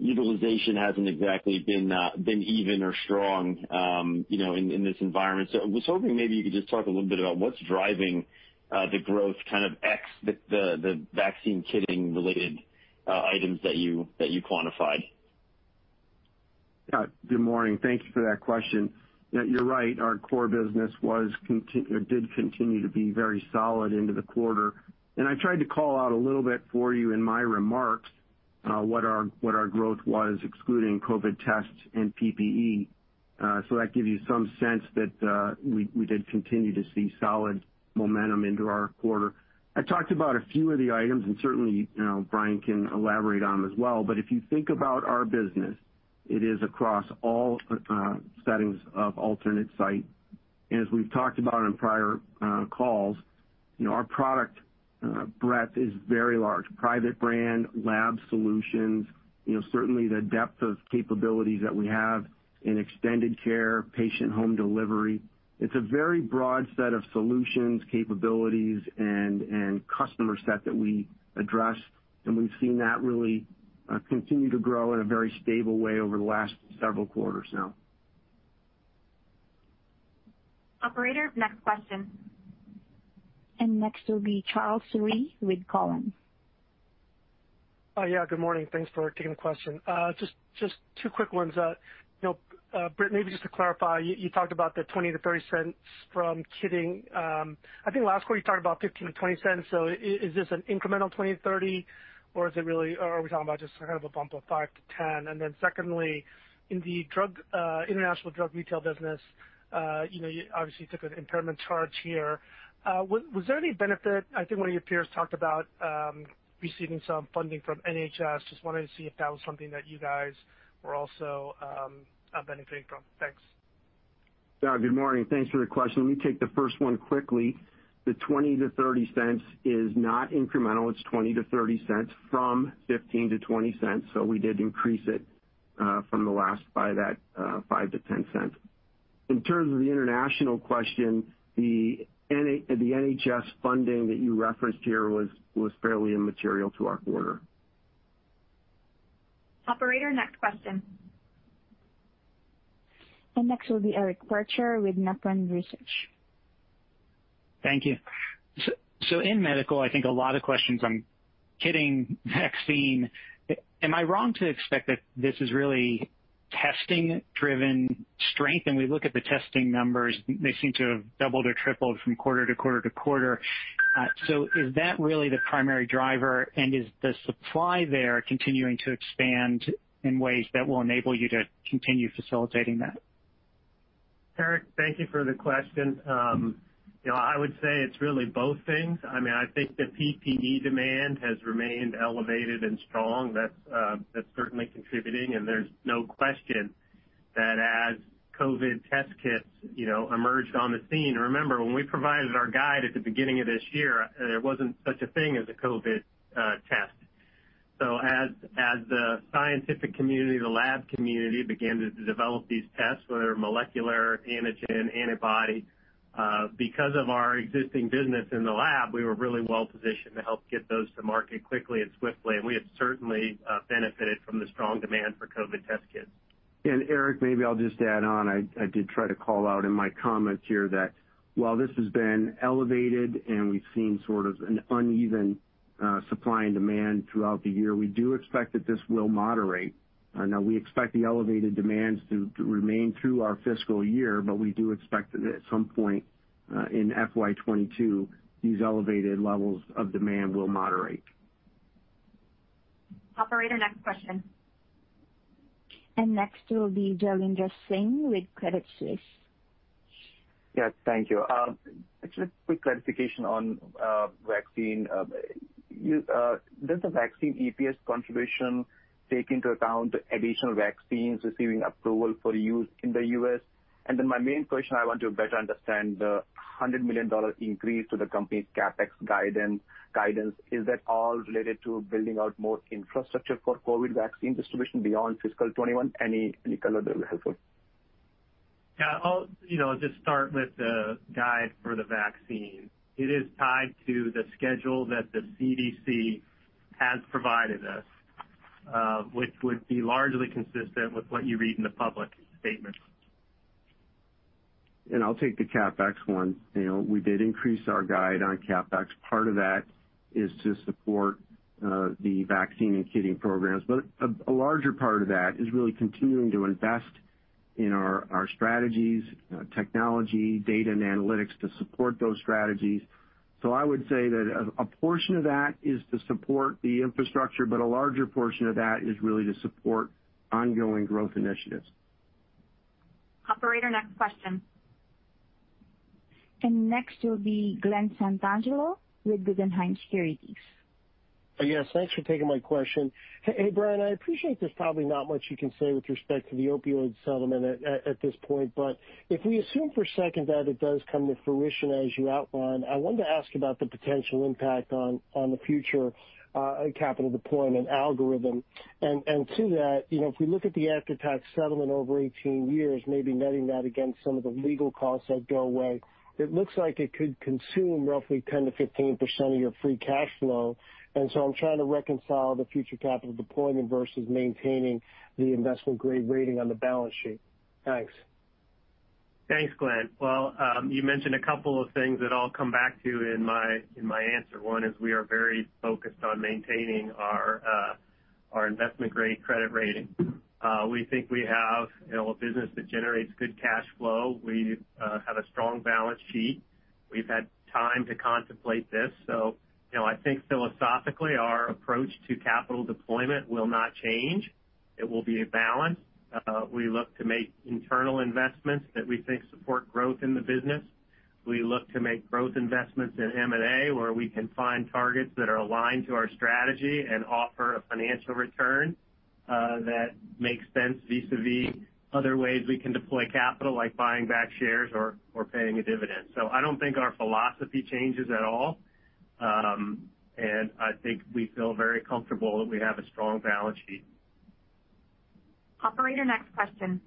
S8: utilization hasn't exactly been even or strong in this environment. I was hoping maybe you could just talk a little bit about what's driving the growth, kind of ex the vaccine kitting related items that you quantified.
S3: Good morning. Thank you for that question. You're right, our core business did continue to be very solid into the quarter, and I tried to call out a little bit for you in my remarks what our growth was, excluding COVID-19 tests and PPE. That gives you some sense that we did continue to see solid momentum into our quarter. I talked about a few of the items, and certainly, Brian can elaborate on them as well, but if you think about our business, it is across all settings of alternate site. As we've talked about on prior calls, our product breadth is very large. Private brand, lab solutions, certainly the depth of capabilities that we have in extended care, patient home delivery. It's a very broad set of solutions, capabilities, and customer set that we address, and we've seen that really continue to grow in a very stable way over the last several quarters now.
S1: Operator, next question.
S4: Next will be Charles Rhyee with Cowen.
S9: Yeah, good morning. Thanks for taking the question. Just two quick ones. Britt, maybe just to clarify, you talked about the $0.20-$0.30 from kitting. I think last quarter you talked about $0.15-$0.20. Is this an incremental $0.20-$0.30, or are we talking about just kind of a bump of $0.05-$0.10? Secondly, in the international drug retail business, you obviously took an impairment charge here. Was there any benefit, I think one of your peers talked about receiving some funding from NHS. Just wanted to see if that was something that you guys were also benefiting from. Thanks.
S3: Good morning. Thanks for the question. Let me take the first one quickly. The $0.20-$0.30 is not incremental. It's $0.20-$0.30 from $0.15-$0.20. We did increase it from the last by that $0.05-$0.10. In terms of the international question, the NHS funding that you referenced here was fairly immaterial to our quarter.
S1: Operator, next question.
S4: Next will be Eric Percher with Nephron Research.
S10: Thank you. In medical, I think a lot of questions on kitting, vaccine. Am I wrong to expect that this is really testing-driven strength? We look at the testing numbers, they seem to have doubled or tripled from quarter to quarter to quarter. Is that really the primary driver, and is the supply there continuing to expand in ways that will enable you to continue facilitating that?
S2: Eric, thank you for the question. I would say it's really both things. I think the PPE demand has remained elevated and strong. That's certainly contributing, and there's no question that as COVID test kits emerged on the scene, remember, when we provided our guide at the beginning of this year, there wasn't such a thing as a COVID test. As the scientific community, the lab community, began to develop these tests, whether molecular, antigen, antibody, because of our existing business in the lab, we were really well-positioned to help get those to market quickly and swiftly, and we have certainly benefited from the strong demand for COVID-19 test kits.
S3: Eric, maybe I'll just add on, I did try to call out in my comments here that while this has been elevated and we've seen sort of an uneven supply and demand throughout the year, we do expect that this will moderate. We expect the elevated demands to remain through our fiscal year, but we do expect that at some point, in FY 2022, these elevated levels of demand will moderate.
S1: Operator, next question.
S4: Next will be Jailendra Singh with Credit Suisse.
S11: Thank you. Just a quick clarification on vaccine. Does the vaccine EPS contribution take into account additional vaccines receiving approval for use in the U.S.? My main question, I want to better understand the $100 million increase to the company's CapEx guidance. Is that all related to building out more infrastructure for COVID-19 vaccine distribution beyond FY 2021? Any color there would be helpful.
S2: Yeah. I'll just start with the guide for the vaccine. It is tied to the schedule that the CDC has provided us, which would be largely consistent with what you read in the public statements.
S3: I'll take the CapEx one. We did increase our guide on CapEx. Part of that is to support the vaccine and kitting programs. A larger part of that is really continuing to invest in our strategies, technology, data, and analytics to support those strategies. I would say that a portion of that is to support the infrastructure, but a larger portion of that is really to support ongoing growth initiatives.
S1: Operator, next question.
S4: Next will be Glen Santangelo with Guggenheim Securities.
S12: Thanks for taking my question. Brian, I appreciate there's probably not much you can say with respect to the opioid settlement at this point, if we assume for a second that it does come to fruition as you outlined, I wanted to ask about the potential impact on the future capital deployment algorithm. To that, if we look at the after-tax settlement over 18 years, maybe netting that against some of the legal costs that go away, it looks like it could consume roughly 10%-15% of your free cash flow. I'm trying to reconcile the future capital deployment versus maintaining the investment-grade rating on the balance sheet. Thanks.
S2: Thanks, Glen. Well, you mentioned a couple of things that I'll come back to in my answer. One is we are very focused on maintaining our investment-grade credit rating. We think we have a business that generates good cash flow. We have a strong balance sheet. We've had time to contemplate this. I think philosophically, our approach to capital deployment will not change. It will be a balance. We look to make internal investments that we think support growth in the business. We look to make growth investments in M&A, where we can find targets that are aligned to our strategy and offer a financial return that makes sense vis-a-vis other ways we can deploy capital, like buying back shares or paying a dividend. I don't think our philosophy changes at all. I think we feel very comfortable that we have a strong balance sheet.
S1: Operator, next question.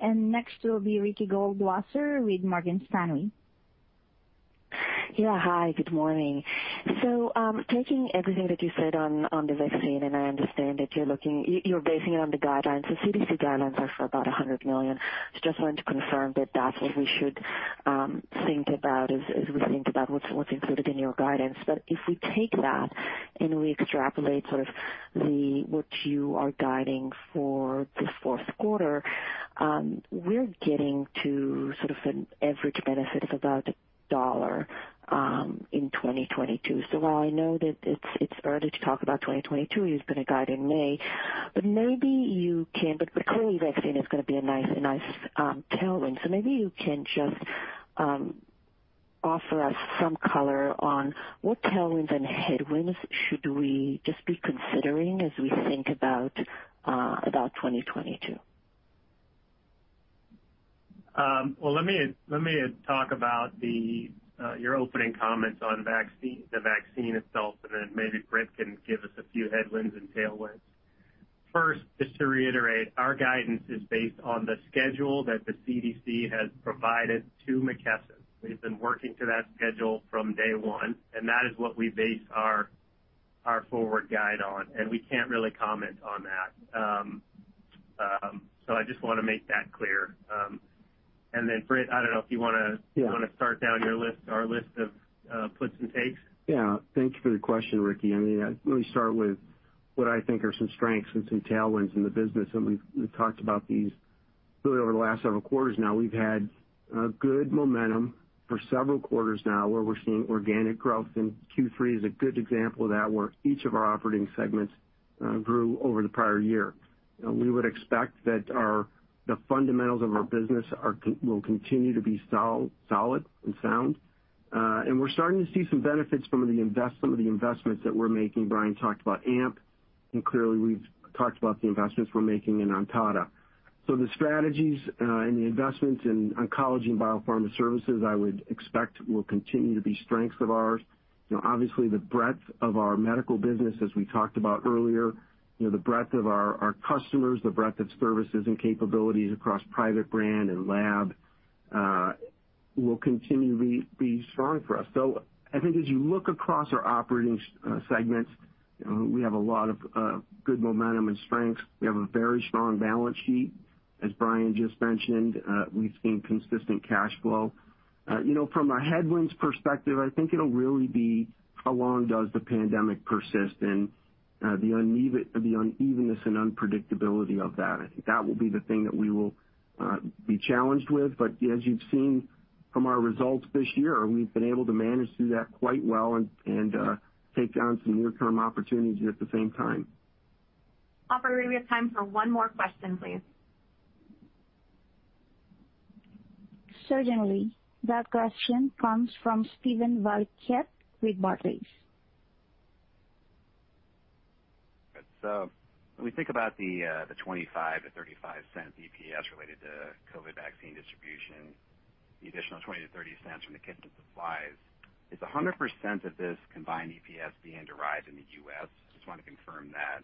S4: Next will be Ricky Goldwasser with Morgan Stanley.
S13: Hi, good morning. Taking everything that you said on the vaccine, and I understand that you're basing it on the guidelines. The CDC guidelines are for about $100 million. Just wanted to confirm that that's what we should think about as we think about what's included in your guidance. If we take that and we extrapolate sort of what you are guiding for this fourth quarter, we're getting to sort of an average benefit of about $1 in 2022. While I know that it's early to talk about 2022, you're going to guide in May, clearly vaccine is going to be a nice tailwind. Maybe you can just offer us some color on what tailwinds and headwinds should we just be considering as we think about 2022?
S2: Well, let me talk about your opening comments on the vaccine itself, and then maybe Britt can give us a few headwinds and tailwinds. First, just to reiterate, our guidance is based on the schedule that the CDC has provided to McKesson. We've been working to that schedule from day one, and that is what we base our forward guide on, and we can't really comment on that. I just want to make that clear. Britt, I don't know if you want to-
S3: Yeah
S2: start down our list of puts and takes.
S3: Thank you for the question, Ricky. Let me start with what I think are some strengths and some tailwinds in the business. We've talked about these really over the last several quarters now. We've had good momentum for several quarters now, where we're seeing organic growth. Q3 is a good example of that, where each of our operating segments grew over the prior year. We would expect that the fundamentals of our business will continue to be solid and sound. We're starting to see some benefits from some of the investments that we're making. Brian talked about AMP, and clearly, we've talked about the investments we're making in Ontada. The strategies and the investments in oncology and biopharma services, I would expect will continue to be strengths of ours. The breadth of our medical business, as we talked about earlier, the breadth of our customers, the breadth of services and capabilities across private brand and lab, will continue to be strong for us. I think as you look across our operating segments, we have a lot of good momentum and strengths. We have a very strong balance sheet. As Brian just mentioned, we've seen consistent cash flow. From a headwinds perspective, I think it'll really be how long does the pandemic persist and the unevenness and unpredictability of that. I think that will be the thing that we will be challenged with. As you've seen from our results this year, we've been able to manage through that quite well and take down some near-term opportunities at the same time.
S1: Operator, we have time for one more question, please.
S4: Certainly. That question comes from Stephen Balke with Barclays.
S14: When we think about the $0.25-$0.35 EPS related to COVID vaccine distribution, the additional $0.20-$0.30 from the kitting supplies, is 100% of this combined EPS being derived in the U.S.? Just want to confirm that.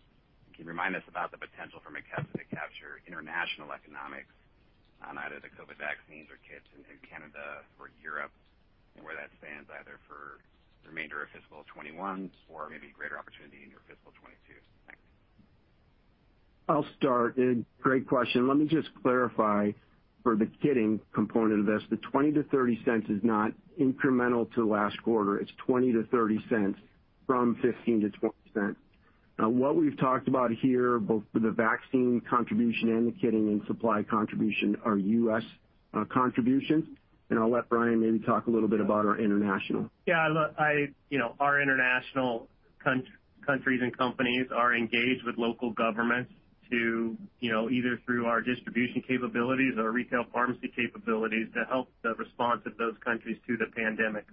S14: Can you remind us about the potential for McKesson to capture international economics on either the COVID vaccines or kits in Canada or Europe, and where that stands either for the remainder of fiscal 2021 or maybe greater opportunity into fiscal 2022? Thanks.
S3: I'll start. Great question. Let me just clarify for the kitting component of this, the $0.20-$0.30 is not incremental to last quarter. It's $0.20-$0.30 from $0.15-$0.20. What we've talked about here, both for the vaccine contribution and the kitting and supply contribution, are U.S. contributions. I'll let Brian maybe talk a little bit about our international.
S2: Yeah. Our international countries and companies are engaged with local governments to either through our distribution capabilities or retail pharmacy capabilities to help the response of those countries to the pandemic.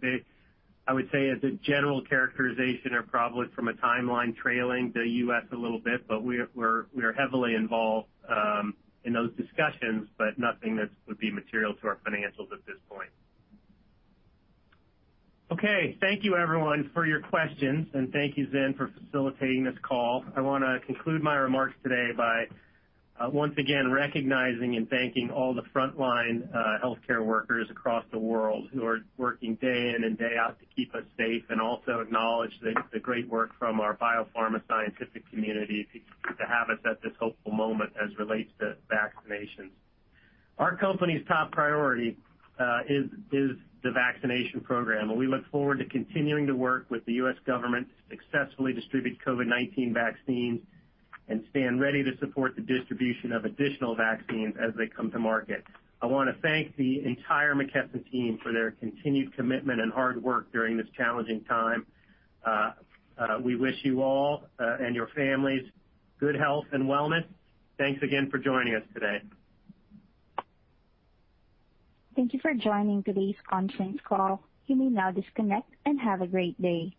S2: I would say as a general characterization or probably from a timeline trailing the U.S. a little bit, we are heavily involved in those discussions, nothing that would be material to our financials at this point. Okay. Thank you everyone for your questions, and thank you, Zhen, for facilitating this call. I want to conclude my remarks today by once again recognizing and thanking all the frontline healthcare workers across the world who are working day in and day out to keep us safe, also acknowledge the great work from our biopharma scientific community to have us at this hopeful moment as relates to vaccinations. Our company's top priority is the vaccination program, and we look forward to continuing to work with the U.S. government to successfully distribute COVID-19 vaccines and stand ready to support the distribution of additional vaccines as they come to market. I want to thank the entire McKesson team for their continued commitment and hard work during this challenging time. We wish you all, and your families, good health and wellness. Thanks again for joining us today.
S4: Thank you for joining today's conference call. You may now disconnect and have a great day.